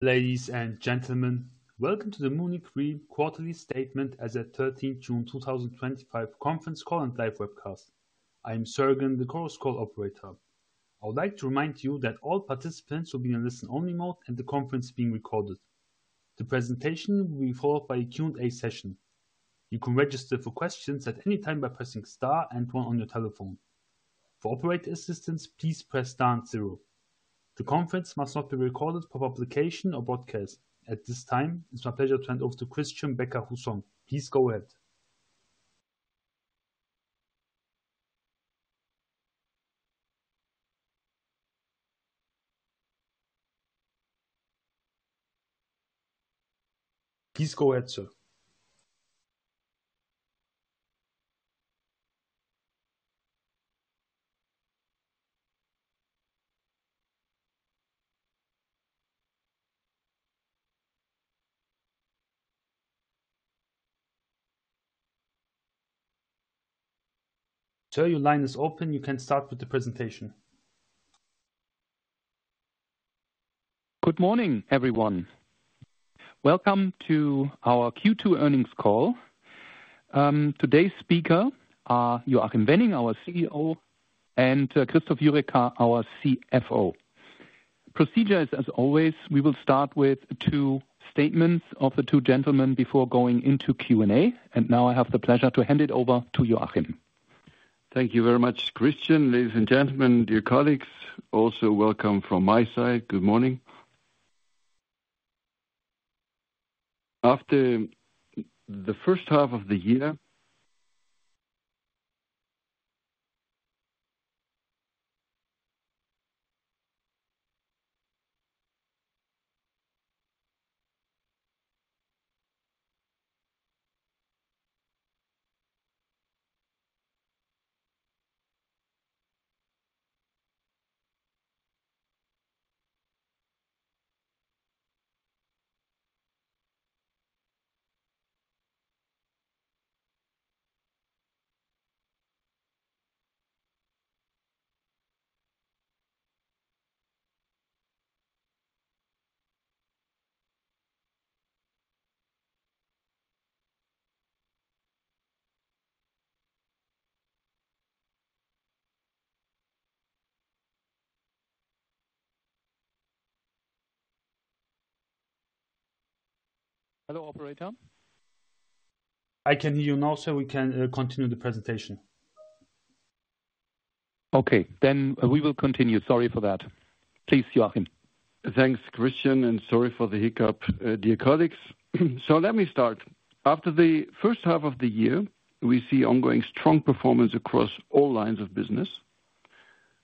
Ladies and gentlemen, welcome to the Munich Re quarterly statement as a 13 June 2025 conference call and live webcast. I am Sergeant, the Chorus Call operator. I would like to remind you that all participants will be in a listen-only mode and the conference is being recorded. The presentation will be followed by a Q&A session. You can register for questions at any time by pressing star and one on your telephone. For operator assistance, please press star and zero. The conference must not be recorded for publication or broadcast. At this time, it's my pleasure to hand over to Christian Becker-Hussong. Please go ahead. Please go ahead, Sir. Until your line is open, you can start with the presentation. Good morning, everyone. Welcome to our Q2 earnings call. Today's speaker, Joachim Wenning, our CEO, and Christoph Jurecka, our CFO. Procedures, as always, we will start with two statements of the two gentlemen before going into Q&A. Now I have the pleasure to hand it over to Joachim. Thank you very much, Christian. Ladies and gentlemen, dear colleagues, also welcome from my side. Good morning. After the first half of the year. Hello, operator. I can hear you now, sir. We can continue the presentation. Okay, we will continue. Sorry for that. Please, Joachim. Thanks, Christian, and sorry for the hiccup, dear colleagues. Let me start. After the first half of the year, we see ongoing strong performance across all lines of business.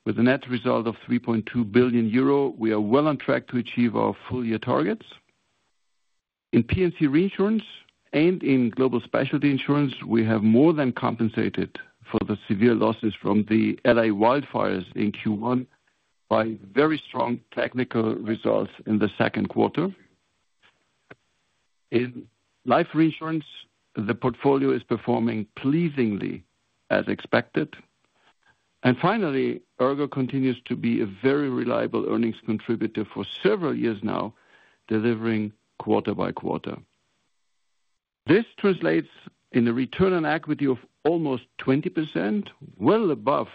With a net result of 3.2 billion euro, we are well on track to achieve our full-year targets. In P&C reinsurance and in global specialty insurance, we have more than compensated for the severe losses from the L.A. wildfires in Q1 by very strong technical results in the second quarter. In life reinsurance, the portfolio is performing pleasingly as expected. ERGO continues to be a very reliable earnings contributor for several years now, delivering quarter by quarter. This translates in a return on equity of almost 20%, well above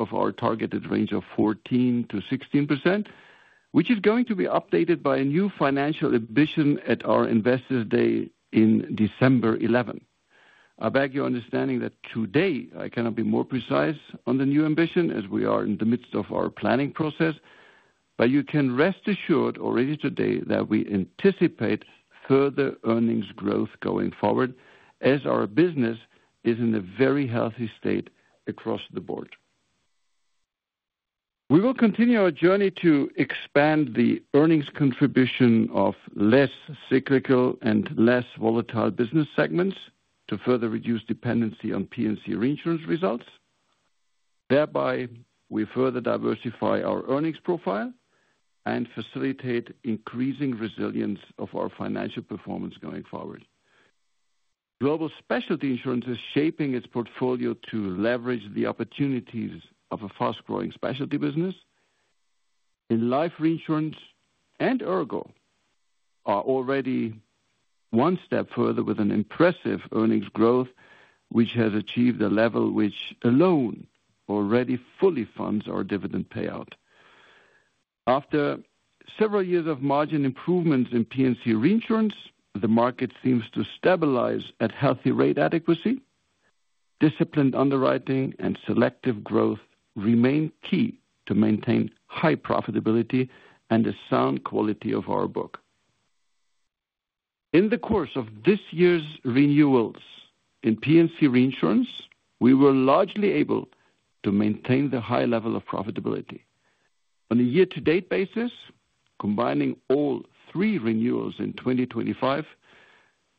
our targeted range of 14%-16%, which is going to be updated by a new financial ambition at our Investors Day on December 11. I beg your understanding that today I cannot be more precise on the new ambition as we are in the midst of our planning process. You can rest assured already today that we anticipate further earnings growth going forward as our business is in a very healthy state across the board. We will continue our journey to expand the earnings contribution of less cyclical and less volatile business segments to further reduce dependency on P&C reinsurance results. Thereby, we further diversify our earnings profile and facilitate increasing resilience of our financial performance going forward. Global specialty insurance is shaping its portfolio to leverage the opportunities of a fast-growing specialty business. In life reinsurance, ERGO is already one step further with an impressive earnings growth, which has achieved a level which alone already fully funds our dividend payout. After several years of margin improvements in P&C reinsurance, the market seems to stabilize at healthy rate adequacy. Disciplined underwriting and selective growth remain key to maintain high profitability and a sound quality of our book. In the course of this year's renewals in P&C reinsurance, we were largely able to maintain the high level of profitability. On a year-to-date basis, combining all three renewals in 2025,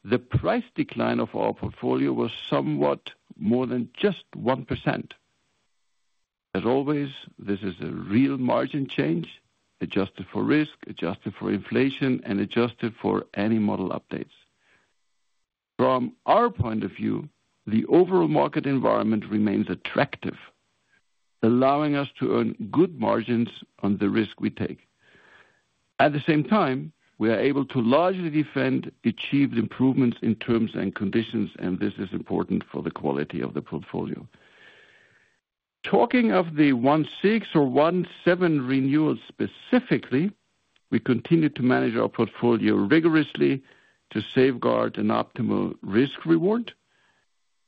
the price decline of our portfolio was somewhat more than just 1%. As always, this is a real margin change, adjusted for risk, adjusted for inflation, and adjusted for any model updates. From our point of view, the overall market environment remains attractive, allowing us to earn good margins on the risk we take. At the same time, we are able to largely defend achieved improvements in terms and conditions, and this is important for the quality of the portfolio. Talking of the 1/6 or 1/7 renewals specifically, we continue to manage our portfolio rigorously to safeguard an optimal risk reward.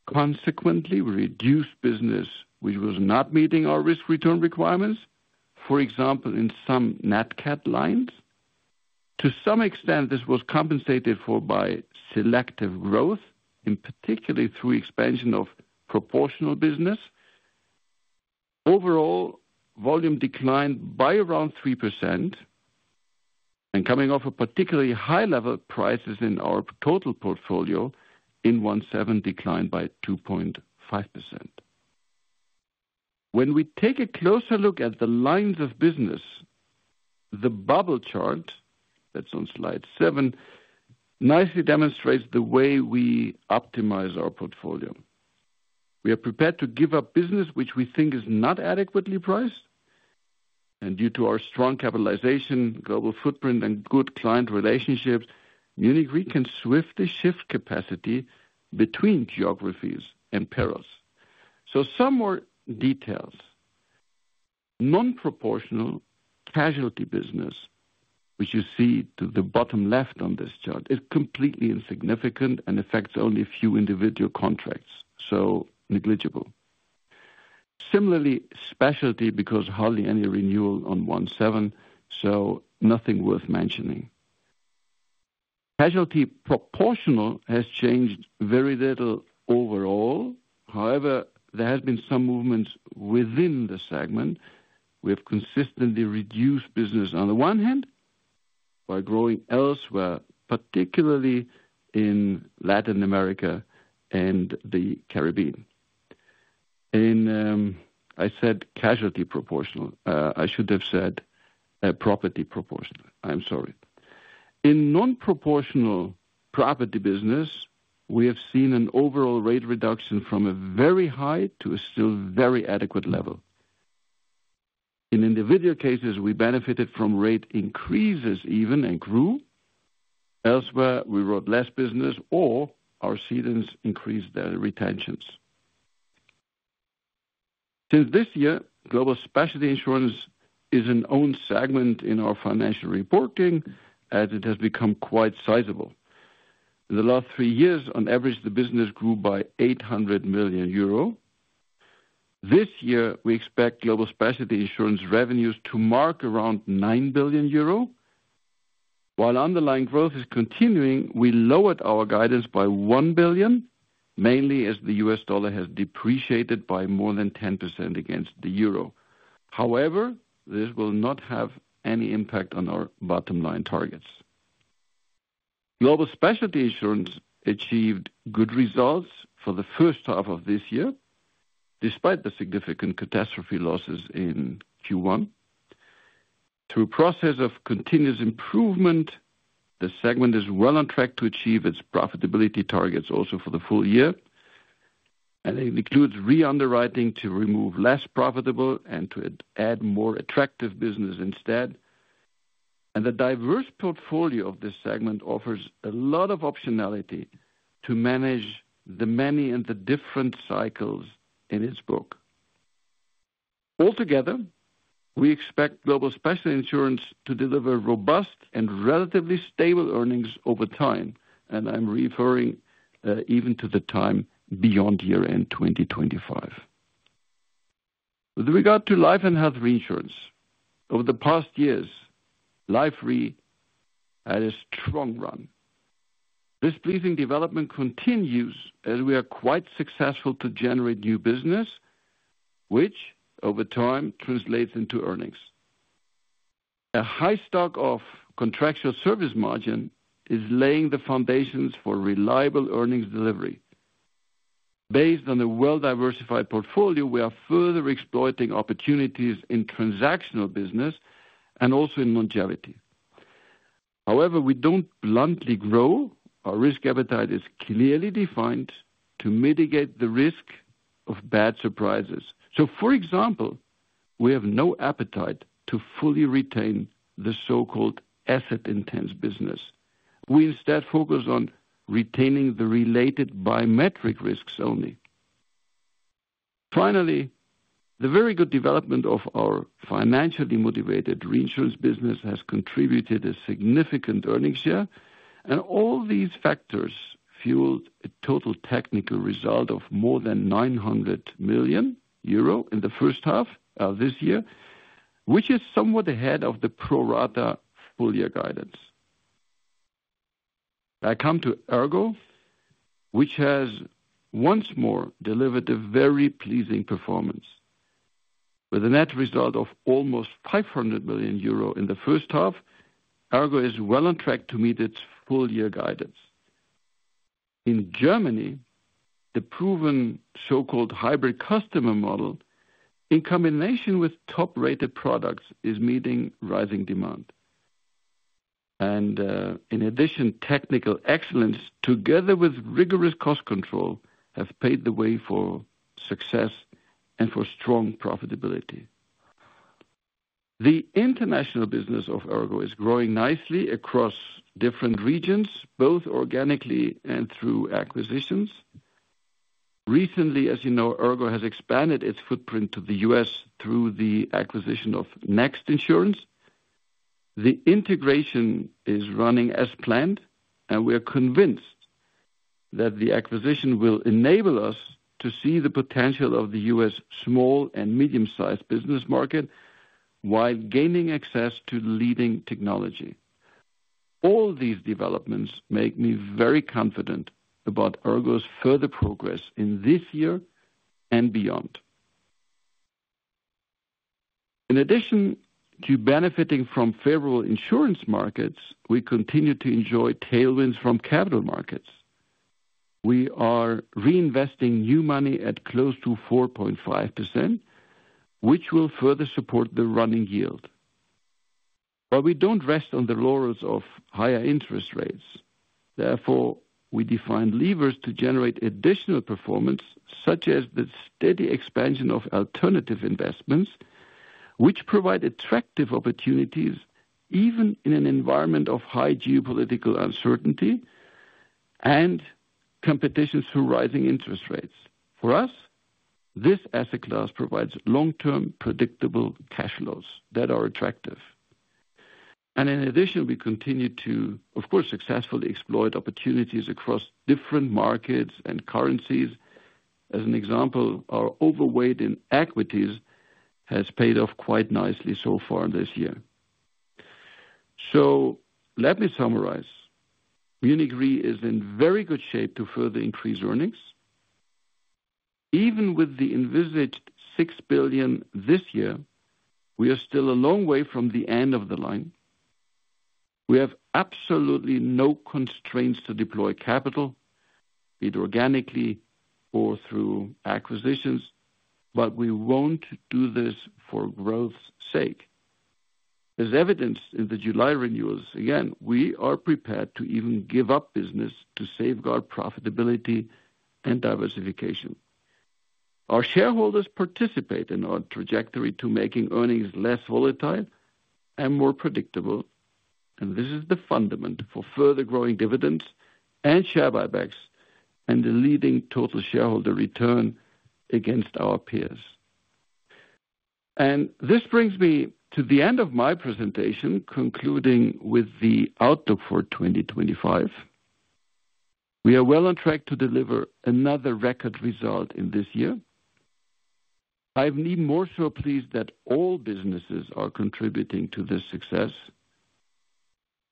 Consequently, we reduced business which was not meeting our risk return requirements, for example, in some NatCat lines. To some extent, this was compensated for by selective growth, in particular through expansion of proportional business. Overall, volume declined by around 3%, and coming off a particularly high level of prices in our total portfolio, in 1/7 declined by 2.5%. When we take a closer look at the lines of business, the bubble chart that's on slide seven nicely demonstrates the way we optimize our portfolio. We are prepared to give up business which we think is not adequately priced. Due to our strong capitalization, global footprint, and good client relationships, Munich Re can swiftly shift capacity between geographies and payrolls. Some more details. Non-proportional casualty business, which you see to the bottom left on this chart, is completely insignificant and affects only a few individual contracts, so negligible. Similarly, specialty because hardly any renewal on 1/7, so nothing worth mentioning. Casualty proportional has changed very little overall. However, there have been some movements within the segment. We have consistently reduced business on the one hand by growing elsewhere, particularly in Latin America and the Caribbean. I said casualty proportional. I should have said property proportional. I'm sorry. In non-proportional property business, we have seen an overall rate reduction from a very high to a still very adequate level. In individual cases, we benefited from rate increases even and grew. Elsewhere, we wrote less business or our ceilings increased their retentions. Since this year, global specialty insurance is an owned segment in our financial reporting as it has become quite sizable. In the last three years, on average, the business grew by 800 million euro. This year, we expect global specialty insurance revenues to mark around 9 billion euro. While underlying growth is continuing, we lowered our guidance by 1 billion, mainly as the US dollar has depreciated by more than 10% against the euro. However, this will not have any impact on our bottom line targets. Global specialty insurance achieved good results for the first half of this year, despite the significant catastrophe losses in Q1. Through a process of continuous improvement, the segment is well on track to achieve its profitability targets also for the full year. It includes re-underwriting to remove less profitable and to add more attractive business instead. The diverse portfolio of this segment offers a lot of optionality to manage the many and the different cycles in its book. Altogether, we expect global specialty insurance to deliver robust and relatively stable earnings over time, and I'm referring even to the time beyond year-end 2025. With regard to life and health reinsurance, over the past years, Life Re had a strong run. This pleasing development continues as we are quite successful to generate new business, which over time translates into earnings. A high stock of contractual service margin is laying the foundations for reliable earnings delivery. Based on a well-diversified portfolio, we are further exploiting opportunities in transactional business and also in longevity. However, we don't bluntly grow. Our risk appetite is clearly defined to mitigate the risk of bad surprises. For example, we have no appetite to fully retain the so-called asset-intense business. We instead focus on retaining the related biometric risks only. Finally, the very good development of our financially motivated reinsurance business has contributed a significant earnings share, and all these factors fueled a total technical result of more than 900 million euro in the first half of this year, which is somewhat ahead of the pro-rata full-year guidance. I come to ERGO, which has once more delivered a very pleasing performance. With a net result of almost 500 million euro in the first half, ERGO is well on track to meet its full-year guidance. In Germany, the proven so-called hybrid customer model, in combination with top-rated products, is meeting rising demand. In addition, technical excellence, together with rigorous cost control, has paved the way for success and for strong profitability. The international business of ERGO is growing nicely across different regions, both organically and through acquisitions. Recently, as you know, ERGO has expanded its footprint to the U.S. through the acquisition of NEXT Insurance. The integration is running as planned, and we are convinced that the acquisition will enable us to see the potential of the U.S. small and medium-sized business market while gaining access to leading technology. All these developments make me very confident about ERGO's further progress in this year and beyond. In addition to benefiting from favorable insurance markets, we continue to enjoy tailwinds from capital markets. We are reinvesting new money at close to 4.5%, which will further support the running yield. We don't rest on the laurels of higher interest rates. Therefore, we define levers to generate additional performance, such as the steady expansion of alternative investments, which provide attractive opportunities even in an environment of high geopolitical uncertainty and competition through rising interest rates. For us, this asset class provides long-term predictable cash flows that are attractive. In addition, we continue to, of course, successfully exploit opportunities across different markets and currencies. As an example, our overweight in equities has paid off quite nicely so far this year. Let me summarize. Munich Re is in very good shape to further increase earnings. Even with the envisaged 6 billion this year, we are still a long way from the end of the line. We have absolutely no constraints to deploy capital, be it organically or through acquisitions, but we won't do this for growth's sake. As evidenced in the July renewals, we are prepared to even give up business to safeguard profitability and diversification. Our shareholders participate in our trajectory to making earnings less volatile and more predictable, and this is the fundament for further growing dividends and share buybacks and the leading total shareholder return against our peers. This brings me to the end of my presentation, concluding with the outlook for 2025. We are well on track to deliver another record result in this year. I'm more so pleased that all businesses are contributing to this success.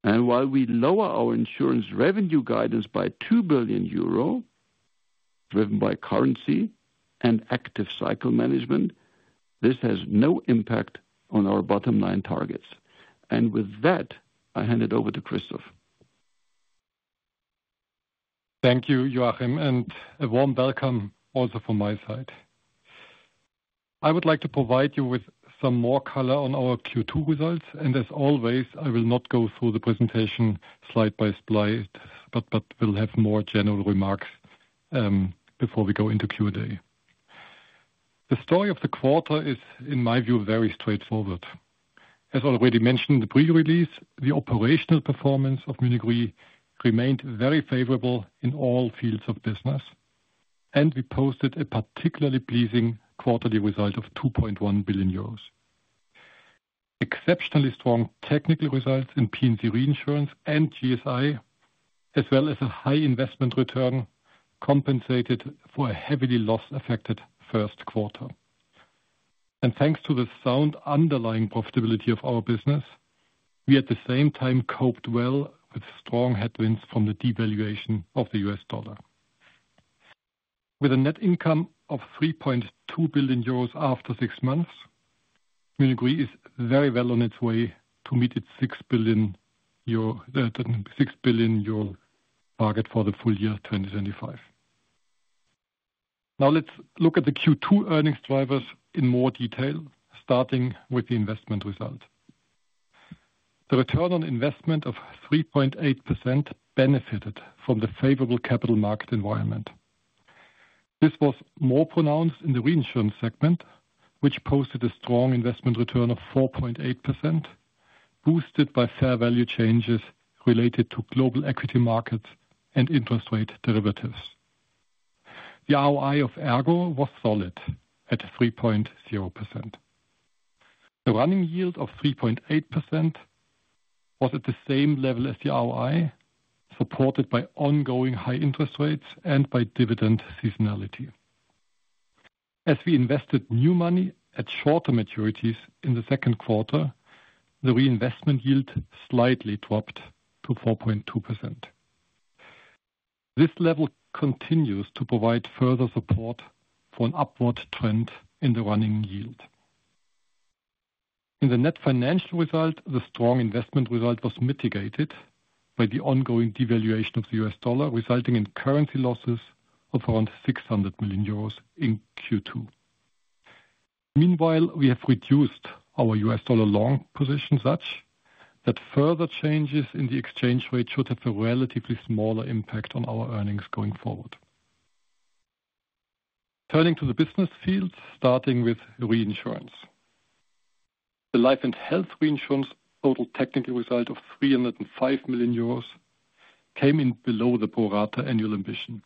While we lower our insurance revenue guidance by 2 billion euro, driven by currency and active cycle management, this has no impact on our bottom line targets. With that, I hand it over to Christoph. Thank you, Joachim, and a warm welcome also from my side. I would like to provide you with some more color on our Q2 results. As always, I will not go through the presentation slide by slide, but will have more general remarks before we go into Q&A. The story of the quarter is, in my view, very straightforward. As already mentioned in the pre-release, the operational performance of Munich Re remained very favorable in all fields of business, and we posted a particularly pleasing quarterly result of 2.1 billion euros. Exceptionally strong technical results in P&C reinsurance and GSI, as well as a high investment return, compensated for a heavily loss-affected first quarter. Thanks to the sound underlying profitability of our business, we at the same time coped well with strong headwinds from the devaluation of the US dollar. With a net income of 3.2 billion euros after six months, Munich Re is very well on its way to meet its 6 billion euro target for the full year 2025. Now let's look at the Q2 earnings drivers in more detail, starting with the investment result. The return on investment of 3.8% benefited from the favorable capital market environment. This was more pronounced in the reinsurance segment, which posted a strong investment return of 4.8%, boosted by fair value changes related to global equity markets and interest rate derivatives. The ROI of ERGO was solid at 3.0%. The running yield of 3.8% was at the same level as the ROI, supported by ongoing high interest rates and by dividend seasonality. As we invested new money at shorter maturities in the second quarter, the reinvestment yield slightly dropped to 4.2%. This level continues to provide further support for an upward trend in the running yield. In the net financial result, the strong investment result was mitigated by the ongoing devaluation of the US dollar, resulting in currency losses of around 600 million euros in Q2. Meanwhile, we have reduced our US dollar long position such that further changes in the exchange rate should have a relatively smaller impact on our earnings going forward. Turning to the business field, starting with reinsurance. The life and health reinsurance total technical result of 305 million euros came in below the pro-rata annual ambition.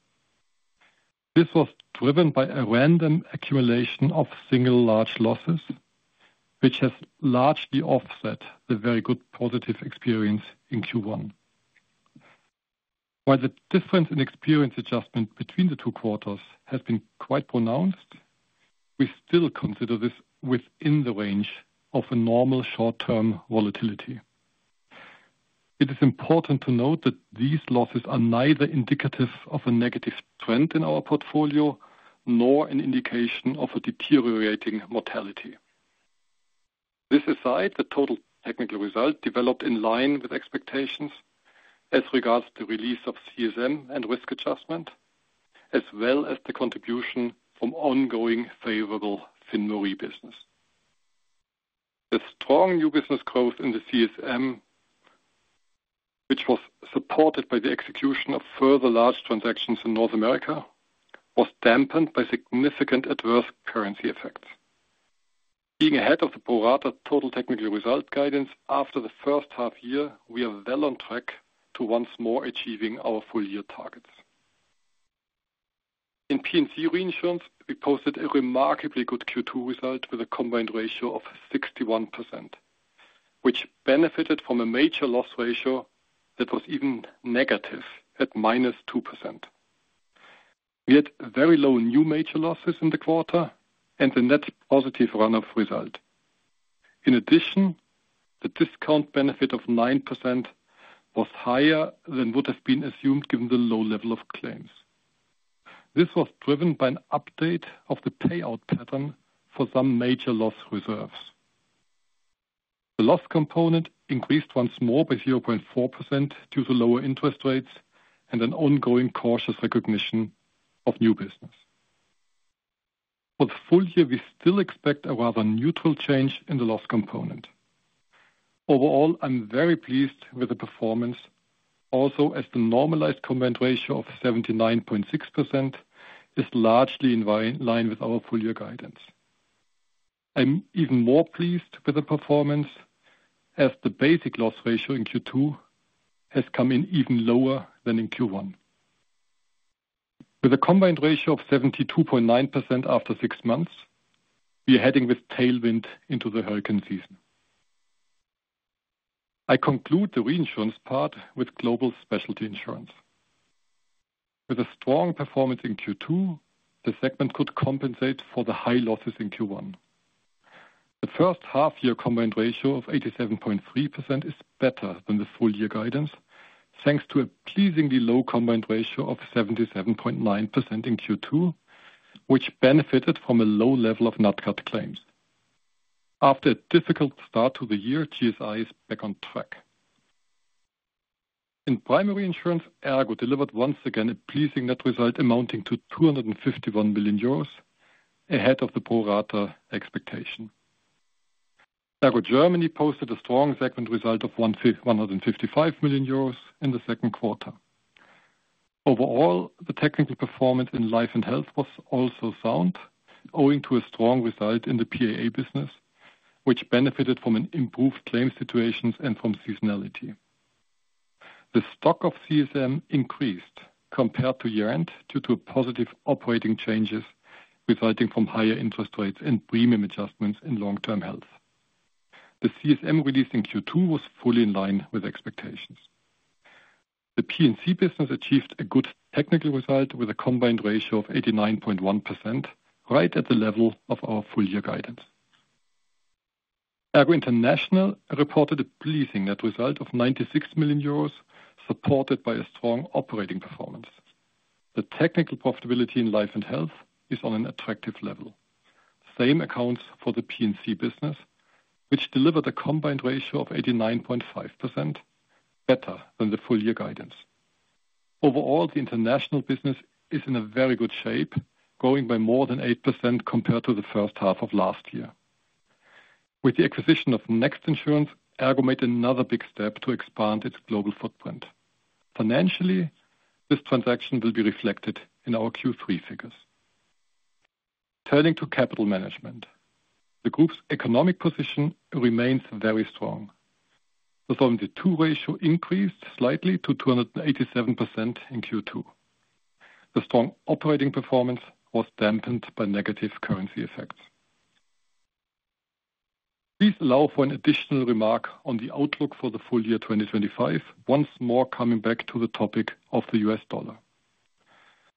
This was driven by a random accumulation of single large losses, which has largely offset the very good positive experience in Q1. While the difference in experience adjustment between the two quarters has been quite pronounced, we still consider this within the range of a normal short-term volatility. It is important to note that these losses are neither indicative of a negative trend in our portfolio nor an indication of a deteriorating mortality. This aside, the total technical result developed in line with expectations as regards the release of CSM and risk adjustment, as well as the contribution from ongoing favorable FINMA Re business. The strong new business growth in the CSM, which was supported by the execution of further large transactions in North America, was dampened by significant adverse currency effects. Being ahead of the pro-rata total technical result guidance after the first half year, we are well on track to once more achieving our full-year targets. In P&C reinsurance, we posted a remarkably good Q2 result with a combined ratio of 61%, which benefited from a major loss ratio that was even negative at -2%. We had very low new major losses in the quarter and a net positive runoff result. In addition, the discount benefit of 9% was higher than would have been assumed given the low level of claims. This was driven by an update of the payout pattern for some major loss reserves. The loss component increased once more by 0.4% due to lower interest rates and an ongoing cautious recognition of new business. For the full year, we still expect a rather neutral change in the loss component. Overall, I'm very pleased with the performance, also as the normalized combined ratio of 79.6% is largely in line with our full-year guidance. I'm even more pleased with the performance as the basic loss ratio in Q2 has come in even lower than in Q1. With a combined ratio of 72.9% after six months, we are heading with tailwind into the hurricane season. I conclude the reinsurance part with global specialty insurance. With a strong performance in Q2, the segment could compensate for the high losses in Q1. The first half-year combined ratio of 87.3% is better than the full-year guidance, thanks to a pleasingly low combined ratio of 77.9% in Q2, which benefited from a low level of NatCat claims. After a difficult start to the year, GSI is back on track. In primary insurance, ERGO delivered once again a pleasing net result amounting to 251 million euros, ahead of the pro-rata expectation. ERGO Germany posted a strong segment result of 155 million euros in the second quarter. Overall, the technical performance in life and health was also sound, owing to a strong result in the PAA business, which benefited from an improved claim situation and from seasonality. The stock of CSM increased compared to year-end due to positive operating changes resulting from higher interest rates and premium adjustments in long-term health. The CSM release in Q2 was fully in line with expectations. The P&C business achieved a good technical result with a combined ratio of 89.1%, right at the level of our full-year guidance. ERGO International reported a pleasing net result of 96 million euros, supported by a strong operating performance. The technical profitability in life and health is on an attractive level. The same accounts for the P&C business, which delivered a combined ratio of 89.5%, better than the full-year guidance. Overall, the international business is in a very good shape, growing by more than 8% compared to the first half of last year. With the acquisition of NEXT Insurance, ERGO made another big step to expand its global footprint. Financially, this transaction will be reflected in our Q3 figures. Turning to capital management, the group's economic position remains very strong. The Solvency II ratio increased slightly to 287% in Q2. The strong operating performance was dampened by negative currency effects. Please allow for an additional remark on the outlook for the full year 2025, once more coming back to the topic of the US dollar.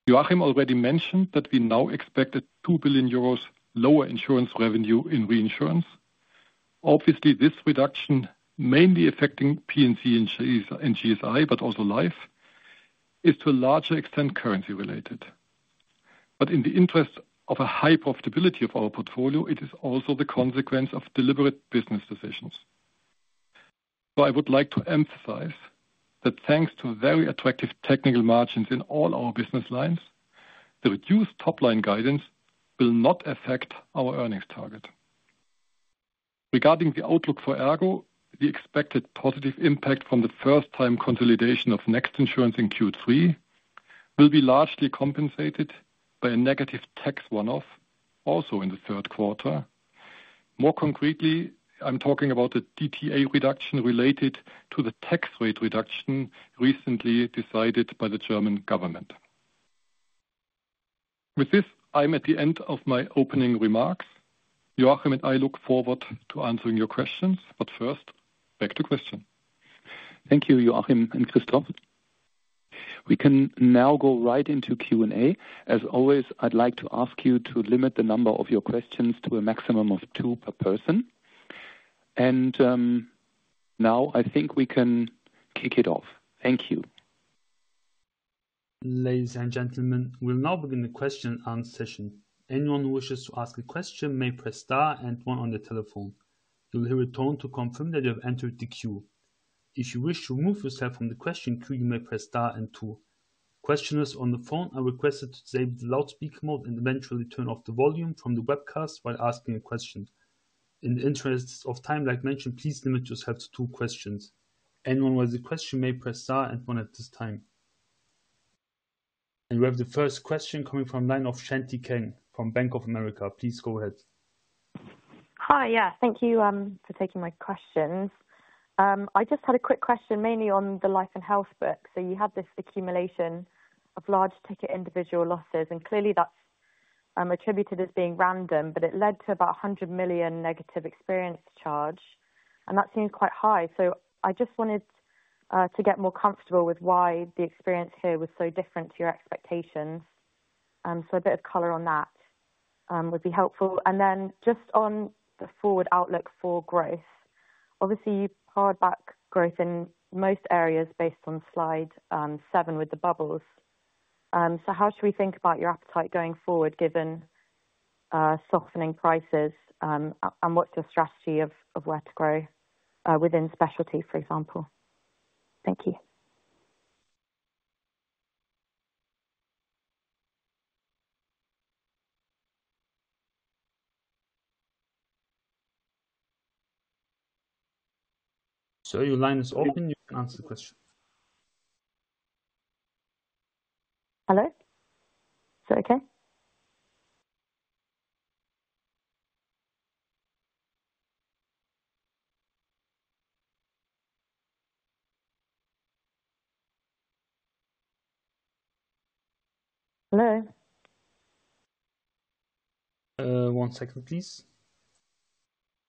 Joachim already mentioned that we now expect a 2 billion euros lower insurance revenue in reinsurance. Obviously, this reduction, mainly affecting P&C and GSI, but also life, is to a larger extent currency related. In the interest of a high profitability of our portfolio, it is also the consequence of deliberate business decisions. I would like to emphasize that thanks to very attractive technical margins in all our business lines, the reduced top line guidance will not affect our earnings target. Regarding the outlook for ERGO, the expected positive impact from the first-time consolidation of NEXT Insurance in Q3 will be largely compensated by a negative tax runoff, also in the third quarter. More concretely, I'm talking about the DTA reduction related to the tax rate reduction recently decided by the German government. With this, I'm at the end of my opening remarks. Joachim and I look forward to answering your questions, but first, back to Christian. Thank you, Joachim and Christoph. We can now go right into Q&A. As always, I'd like to ask you to limit the number of your questions to a maximum of two per person. I think we can kick it off. Thank you. Ladies and gentlemen, we'll now begin the question and answer session. Anyone who wishes to ask a question may press star and one on the telephone. You will hear a tone to confirm that you have entered the queue. If you wish to remove yourself from the question queue, you may press star and two. Questioners on the phone are requested to disable the loudspeaker mode and eventually turn off the volume from the webcast while asking a question. In the interest of time, like mentioned, please limit yourself to two questions. Anyone who has a question may press star and one at this time. We have the first question coming from the line of Shanti Kang from Bank of America. Please go ahead. Hi, yeah, thank you for taking my questions. I just had a quick question mainly on the life and health book. You had this accumulation of large ticket individual losses, and clearly that's attributed as being random, but it led to about $100 million negative experience charge, and that seems quite high. I just wanted to get more comfortable with why the experience here was so different to your expectations. A bit of color on that would be helpful. Just on the forward outlook for growth, obviously you parred back growth in most areas based on slide seven with the bubbles. How should we think about your appetite going forward given softening prices, and what's your strategy of where to grow within specialty, for example? Thank you. Your line is open. You can answer the question. Hello, is that okay? Hello? One second, please.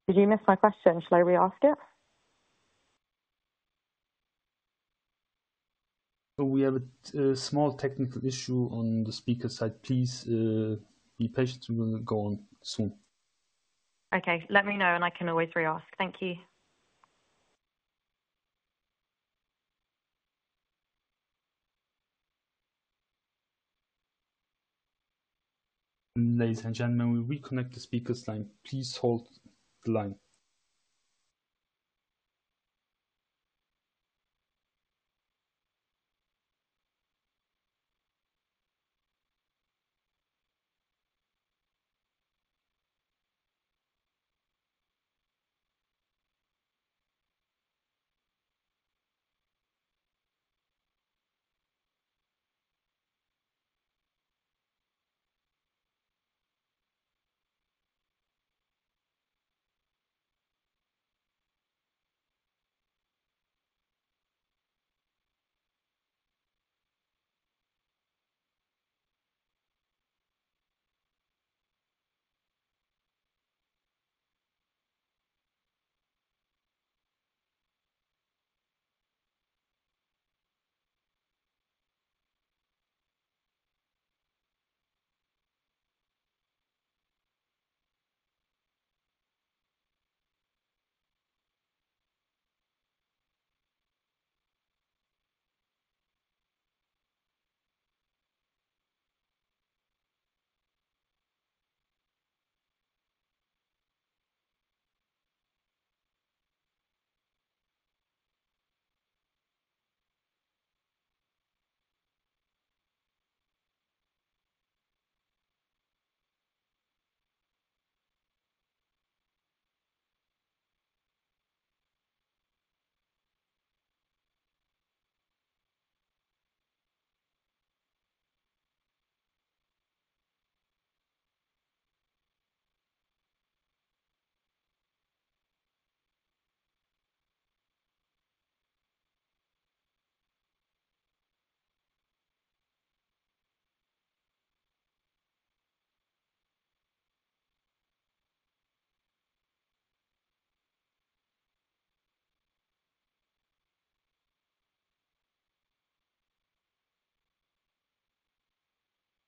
Did you miss my question? Should I re-ask it? We have a small technical issue on the speaker side. Please be patient. We're going to go on soon. Okay, let me know and I can always re-ask. Thank you. Ladies and gentlemen, we reconnect the speaker's line. Please hold the line.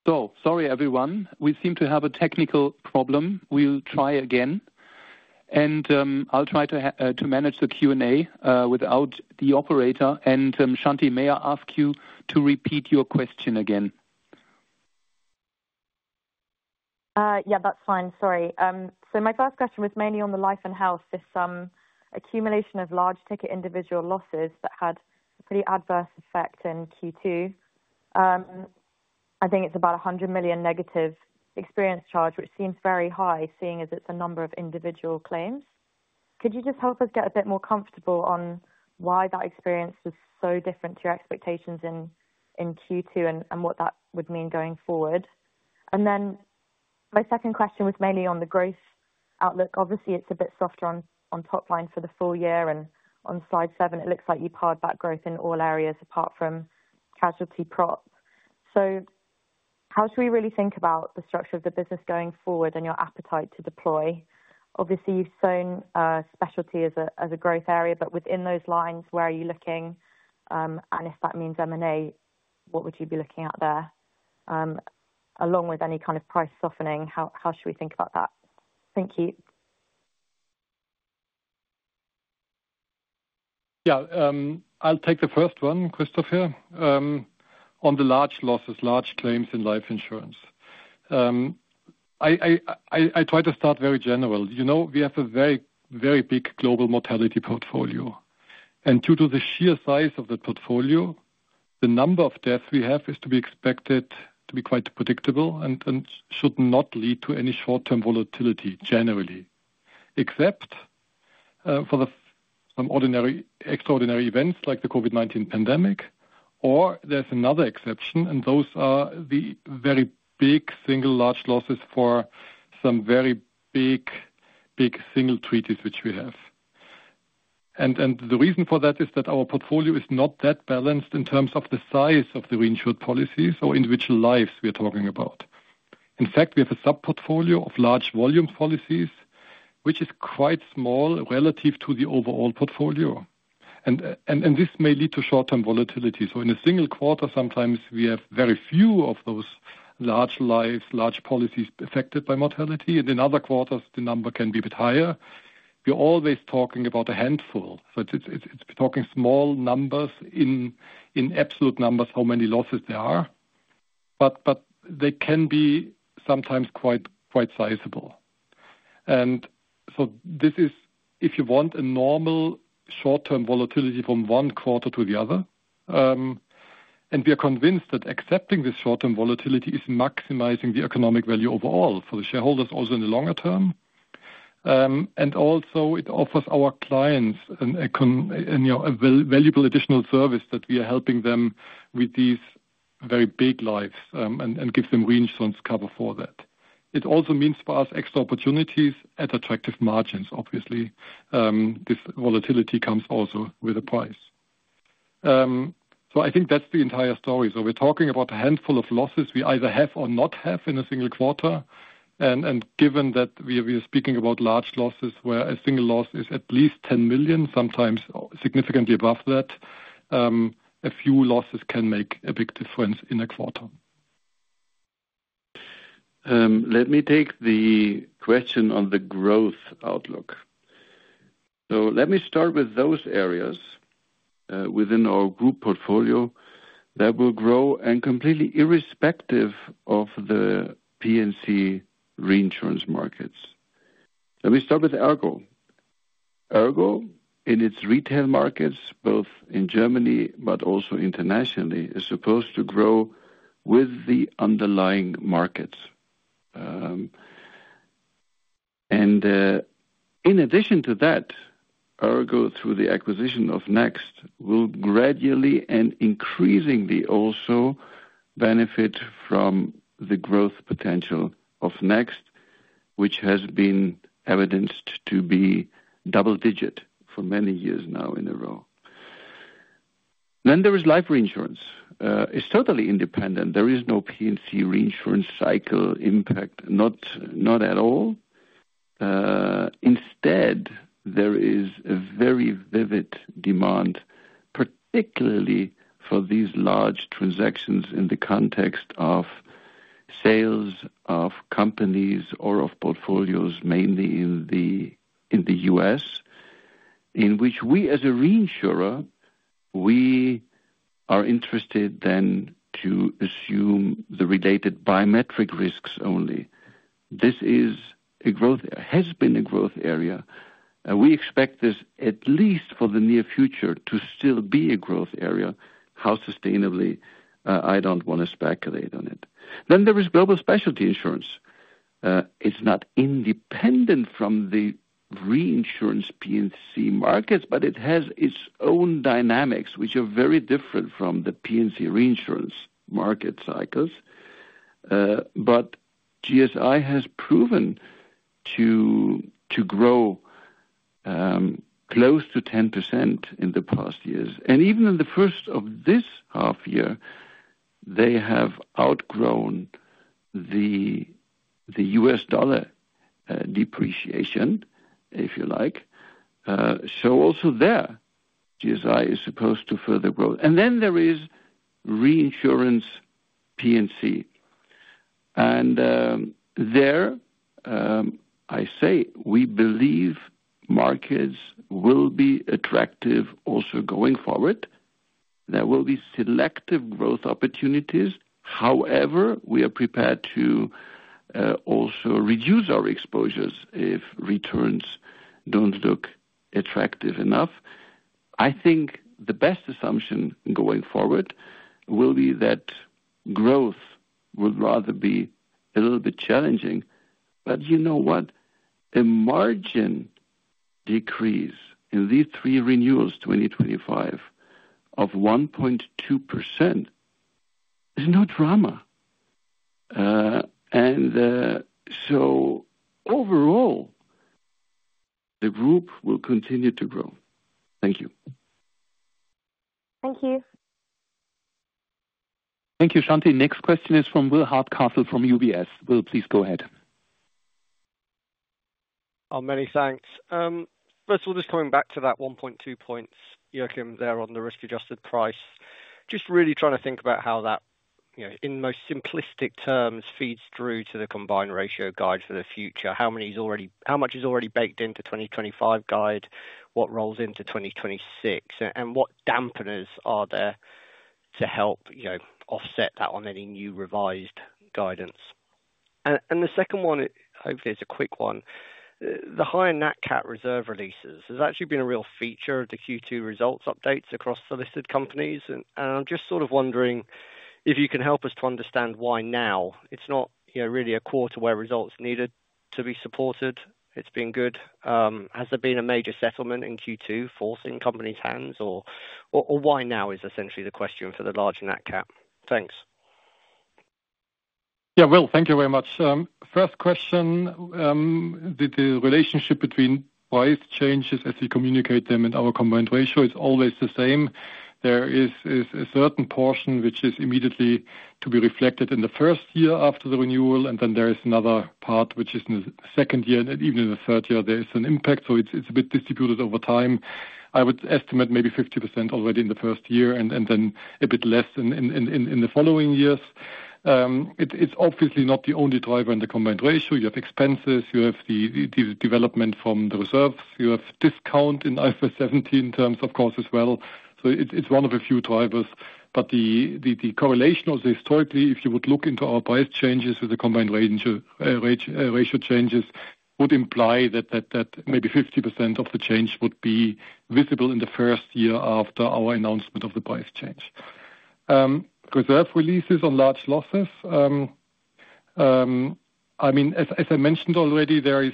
Sorry everyone, we seem to have a technical problem. We'll try again. I'll try to manage the Q&A without the operator. Shanti, may I ask you to repeat your question again? That's fine. Sorry. My first question was mainly on the life and health, this accumulation of large ticket individual losses that had a pretty adverse effect in Q2. I think it's about $100 million negative experience charge, which seems very high seeing as the number of individual claims. Could you just help us get a bit more comfortable on why that experience was so different to your expectations in Q2 and what that would mean going forward? My second question was mainly on the growth outlook. Obviously, it's a bit softer on top line for the full year. On slide seven, it looks like you pared back growth in all areas apart from casualty prop. How should we really think about the structure of the business going forward and your appetite to deploy? Obviously, you've seen specialty as a growth area, but within those lines, where are you looking? If that means M&A, what would you be looking at there? Along with any kind of price softening, how should we think about that? Thank you. I'll take the first one, Christoph here, on the large losses, large claims in life insurance. I try to start very general. We have a very, very big global mortality portfolio. Due to the sheer size of that portfolio, the number of deaths we have is to be expected to be quite predictable and should not lead to any short-term volatility generally, except for the extraordinary events like the COVID-19 pandemic. There's another exception, and those are the very big single large losses for some very big, big single treaties which we have. The reason for that is that our portfolio is not that balanced in terms of the size of the reinsured policies or individual lives we're talking about. In fact, we have a sub-portfolio of large volume policies, which is quite small relative to the overall portfolio. This may lead to short-term volatility. In a single quarter, sometimes we have very few of those large lives, large policies affected by mortality, and in other quarters, the number can be a bit higher. We're always talking about a handful. It's talking small numbers in absolute numbers, how many losses there are, but they can be sometimes quite sizable. This is, if you want, a normal short-term volatility from one quarter to the other. We are convinced that accepting this short-term volatility is maximizing the economic value overall for the shareholders also in the longer term. It offers our clients a valuable additional service that we are helping them with these very big lives and gives them reinsurance cover for that. It also means for us extra opportunities at attractive margins, obviously. This volatility comes also with a price. I think that's the entire story. We're talking about a handful of losses we either have or not have in a single quarter. Given that we are speaking about large losses where a single loss is at least $10 million, sometimes significantly above that, a few losses can make a big difference in a quarter. Let me take the question on the growth outlook. Let me start with those areas within our group portfolio that will grow and completely irrespective of the P&C reinsurance markets. Let me start with ERGO. ERGO, in its retail markets, both in Germany, but also internationally, is supposed to grow with the underlying markets. In addition to that, ERGO, through the acquisition of Next, will gradually and increasingly also benefit from the growth potential of Next, which has been evidenced to be double-digit for many years now in a row. There is life reinsurance. It's totally independent. There is no P&C reinsurance cycle impact, not at all. Instead, there is a very vivid demand, particularly for these large transactions in the context of sales of companies or of portfolios, mainly in the U.S., in which we, as a reinsurer, we are interested then to assume the related biometric risks only. This has been a growth area. We expect this at least for the near future to still be a growth area. How sustainably? I don't want to speculate on it. There is global specialty insurance. It's not independent from the reinsurance P&C markets, but it has its own dynamics, which are very different from the P&C reinsurance market cycles. GSI has proven to grow close to 10% in the past years. Even in the first of this half year, they have outgrown the US dollar depreciation, if you like. GSI is supposed to further grow. There is reinsurance P&C. We believe markets will be attractive also going forward. There will be selective growth opportunities. However, we are prepared to also reduce our exposures if returns don't look attractive enough. I think the best assumption going forward will be that growth will rather be a little bit challenging. A margin decrease in these three renewals, 2025, of 1.2% is no drama. Overall, the group will continue to grow. Thank you. Thank you. Thank you, Shanti. Next question is from Will Hardcastle from UBS. Will, please go ahead. Oh, many thanks. First of all, just coming back to that 1.2 points, Joachim, there on the risk-adjusted price. Just really trying to think about how that, you know, in most simplistic terms, feeds through to the combined ratio guide for the future. How much is already baked into the 2025 guide? What rolls into 2026? What dampeners are there to help, you know, offset that on any new revised guidance? The second one, hopefully, is a quick one. The higher NatCat reserve releases have actually been a real feature of the Q2 results updates across the listed companies. I'm just sort of wondering if you can help us to understand why now. It's not, you know, really a quarter where results needed to be supported. It's been good. Has there been a major settlement in Q2 forcing companies' hands? Why now is essentially the question for the large NatCat? Thanks. Yeah, Will, thank you very much. First question, the relationship between price changes as we communicate them in our combined ratio is always the same. There is a certain portion which is immediately to be reflected in the first year after the renewal, and then there is another part which is in the second year, and even in the third year, there is an impact. It is a bit distributed over time. I would estimate maybe 50% already in the first year and then a bit less in the following years. It is obviously not the only driver in the combined ratio. You have expenses, you have the development from the reserves, you have discount in IFRS 17 terms, of course, as well. It is one of a few drivers. The correlation of the historically, if you would look into our price changes with the combined ratio changes, would imply that maybe 50% of the change would be visible in the first year after our announcement of the price change. Reserve releases on large losses. As I mentioned already, there are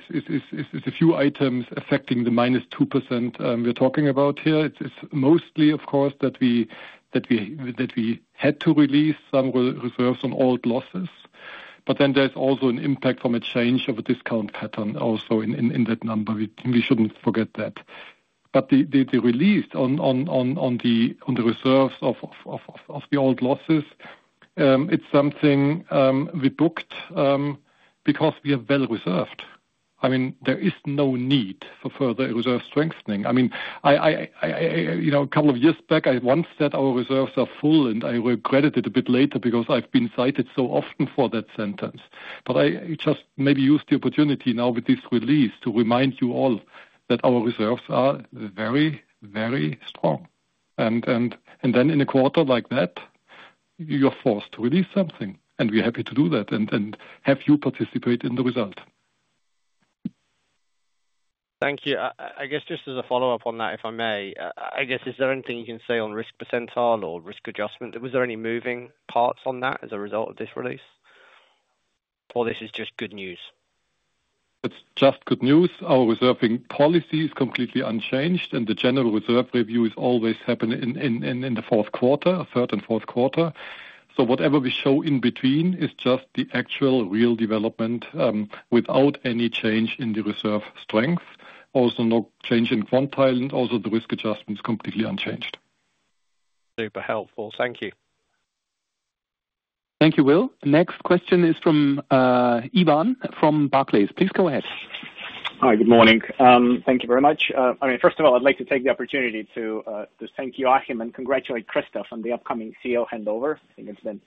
a few items affecting the -2% we are talking about here. It is mostly, of course, that we had to release some reserves on old losses. There is also an impact from a change of a discount pattern also in that number. We should not forget that. The release on the reserves of the old losses, it is something we booked because we are well reserved. There is no need for further reserve strengthening. A couple of years back, I once said our reserves are full, and I regretted it a bit later because I have been cited so often for that sentence. I just maybe use the opportunity now with this release to remind you all that our reserves are very, very strong. In a quarter like that, you are forced to release something, and we are happy to do that and have you participate in the result. Thank you. I guess just as a follow-up on that, if I may, is there anything you can say on risk percentile or risk adjustment? Was there any moving parts on that as a result of this release, or is this just good news? It's just good news. Our reserving policy is completely unchanged, and the general reserve review is always happening in the fourth quarter, third and fourth quarter. Whatever we show in between is just the actual real development without any change in the reserve strength. Also, no change in quantile, and also the risk adjustment is completely unchanged. Super helpful. Thank you. Thank you, Will. Next question is from Ivan Bokhmat from Barclays. Please go ahead. Hi, good morning. Thank you very much. First of all, I'd like to take the opportunity to just thank you, Joachim, and congratulate Christoph on the upcoming CEO handover. I think it's been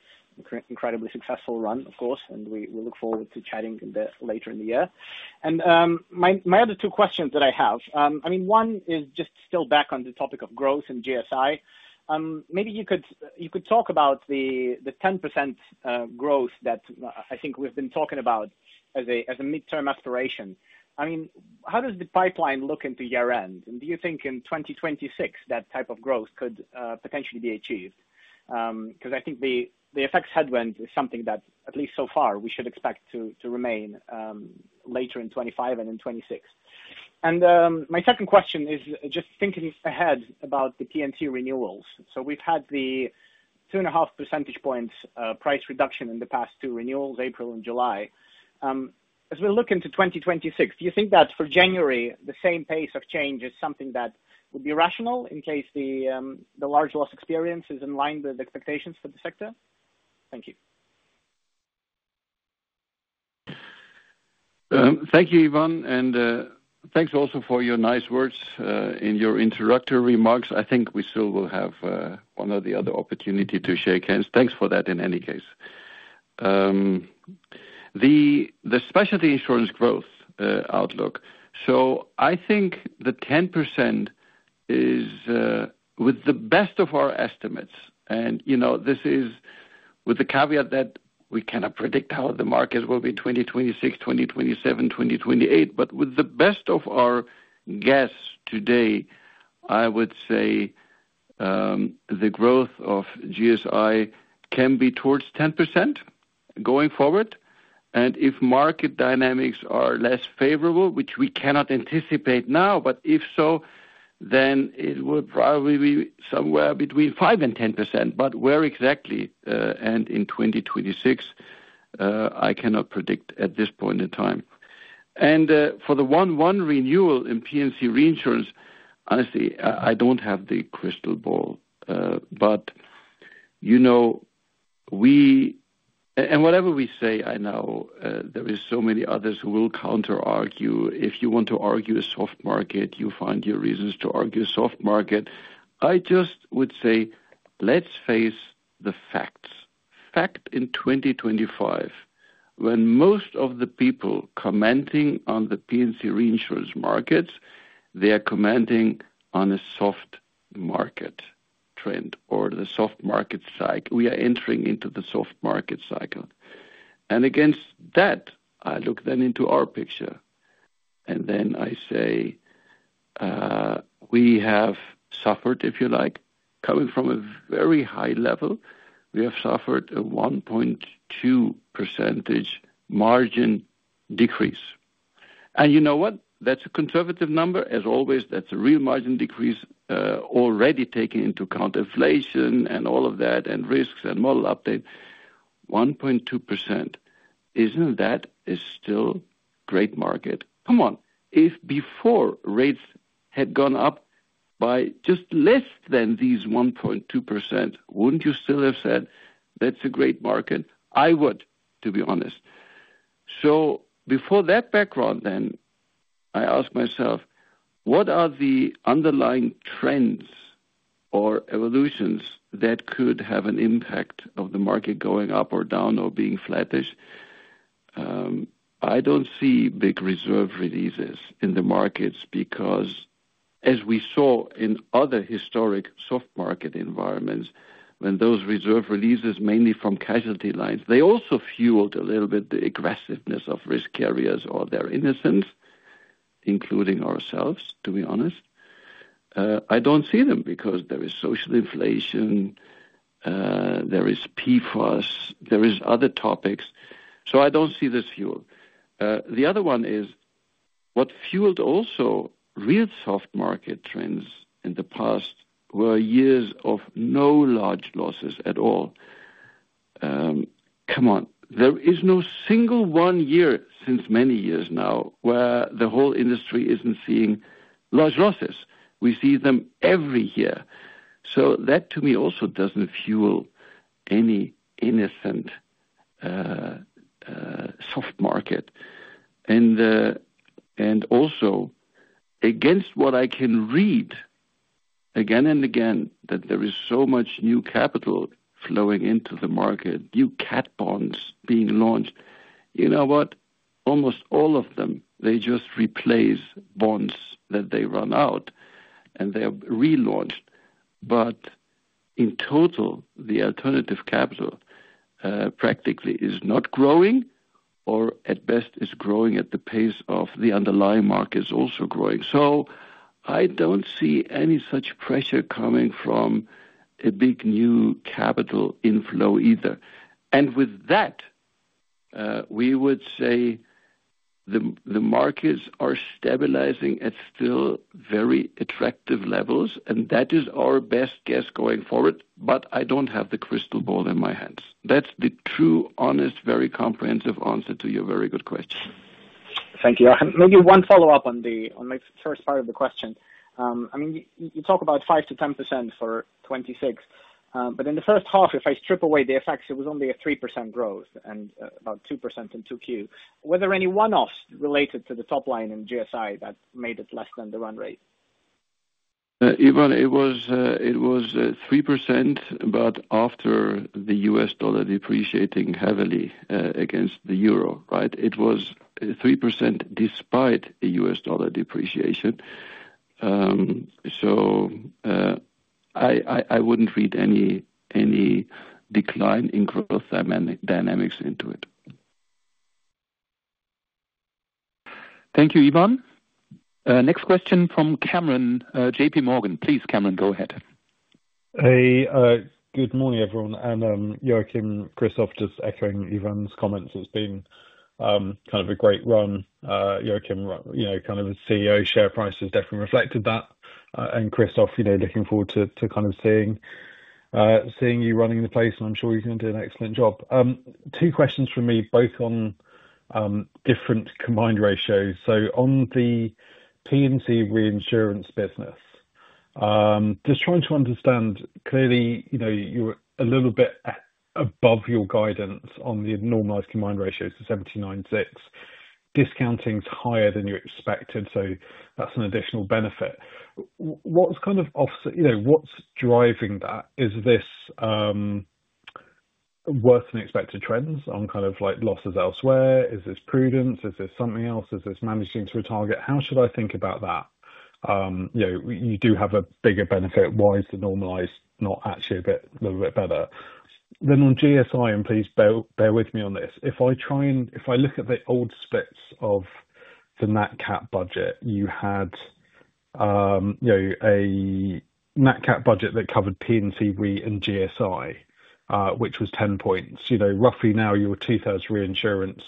an incredibly successful run, of course, and we look forward to chatting later in the year. My other two questions that I have, one is just still back on the topic of growth and GSI. Maybe you could talk about the 10% growth that I think we've been talking about as a midterm aspiration. How does the pipeline look into year-end? Do you think in 2026 that type of growth could potentially be achieved? I think the FX headwind is something that, at least so far, we should expect to remain later in 2025 and in 2026. My second question is just thinking ahead about the P&C renewals. We've had the 2.5% price reduction in the past two renewals, April and July. As we look into 2026, do you think that for January, the same pace of change is something that would be rational in case the large loss experience is in line with expectations for the sector? Thank you. Thank you, Ivan, and thanks also for your nice words in your introductory remarks. I think we still will have one or the other opportunity to shake hands. Thanks for that in any case. The specialty insurance growth outlook. I think the 10% is with the best of our estimates. This is with the caveat that we cannot predict how the market will be in 2026, 2027, 2028. With the best of our guess today, I would say the growth of GSI can be towards 10% going forward. If market dynamics are less favorable, which we cannot anticipate now, it will probably be somewhere between 5% and 10%. Where exactly in 2026, I cannot predict at this point in time. For the one-one renewal in P&C reinsurance, honestly, I don't have the crystal ball. Whatever we say, I know there are so many others who will counter-argue. If you want to argue a soft market, you find your reasons to argue a soft market. I just would say, let's face the facts. Fact in 2025, when most of the people commenting on the P&C reinsurance markets, they are commenting on a soft market trend or the soft market cycle. We are entering into the soft market cycle. Against that, I look then into our picture. I say, we have suffered, if you like, coming from a very high level. We have suffered a 1.2% margin decrease. You know what? That's a conservative number. As always, that's a real margin decrease already taking into account inflation and all of that and risks and model update. 1.2%, isn't that still a great market? Come on. If before rates had gone up by just less than these 1.2%, wouldn't you still have said, that's a great market? I would, to be honest. Before that background, I ask myself, what are the underlying trends or evolutions that could have an impact on the market going up or down or being flattish? I don't see big reserve releases in the markets because, as we saw in other historic soft market environments, when those reserve releases, mainly from casualty lines, they also fueled a little bit the aggressiveness of risk carriers or their innocence, including ourselves, to be honest. I don't see them because there is social inflation, there is PFAS, there are other topics. I don't see this fuel. The other one is what fueled also real soft market trends in the past were years of no large losses at all. Come on. There is no single one year since many years now where the whole industry isn't seeing large losses. We see them every year. That, to me, also doesn't fuel any innocent soft market. Also, against what I can read again and again, that there is so much new capital flowing into the market, new cat bonds being launched. You know what? Almost all of them just replace bonds that run out, and they are relaunched. In total, the alternative capital practically is not growing, or at best is growing at the pace of the underlying markets also growing. I don't see any such pressure coming from a big new capital inflow either. With that, we would say the markets are stabilizing at still very attractive levels, and that is our best guess going forward. I don't have the crystal ball in my hands. That's the true, honest, very comprehensive answer to your very good question. Thank you. Maybe one follow-up on the first part of the question. I mean, you talk about 5%-10% for 2026, but in the first half, if I strip away the effects, it was only a 3% growth and about 2% in Q2. Were there any one-offs related to the top line in GSI that made it less than the run rate? Ivan, it was 3%, but after the US dollar depreciating heavily against the euro, right? It was 3% despite a US dollar depreciation. I wouldn't read any decline in growth dynamics into it. Thank you, Ivan. Next question from Cameron, JPMorgan. Please, Cameron, go ahead. Good morning, everyone. Joachim, Christoph, just echoing Ivan's comments. It's been kind of a great run. Joachim, you know, as CEO, share price has definitely reflected that. Christoph, looking forward to seeing you running the place, and I'm sure you're going to do an excellent job. Two questions from me, both on different combined ratios. On the P&C reinsurance business, just trying to understand, clearly, you're a little bit above your guidance on the normalized combined ratios of 79.6. Discounting is higher than you expected, so that's an additional benefit. What's driving that? Is this worse than expected trends on losses elsewhere? Is this prudence? Is this something else? Is this managing to a target? How should I think about that? You do have a bigger benefit. Why is the normalized not actually a bit better? On GSI, and please bear with me on this, if I look at the old splits of the NatCat budget, you had a NatCat budget that covered P&C reinsurance and GSI, which was 10 points. Roughly now you're two-thirds reinsurance,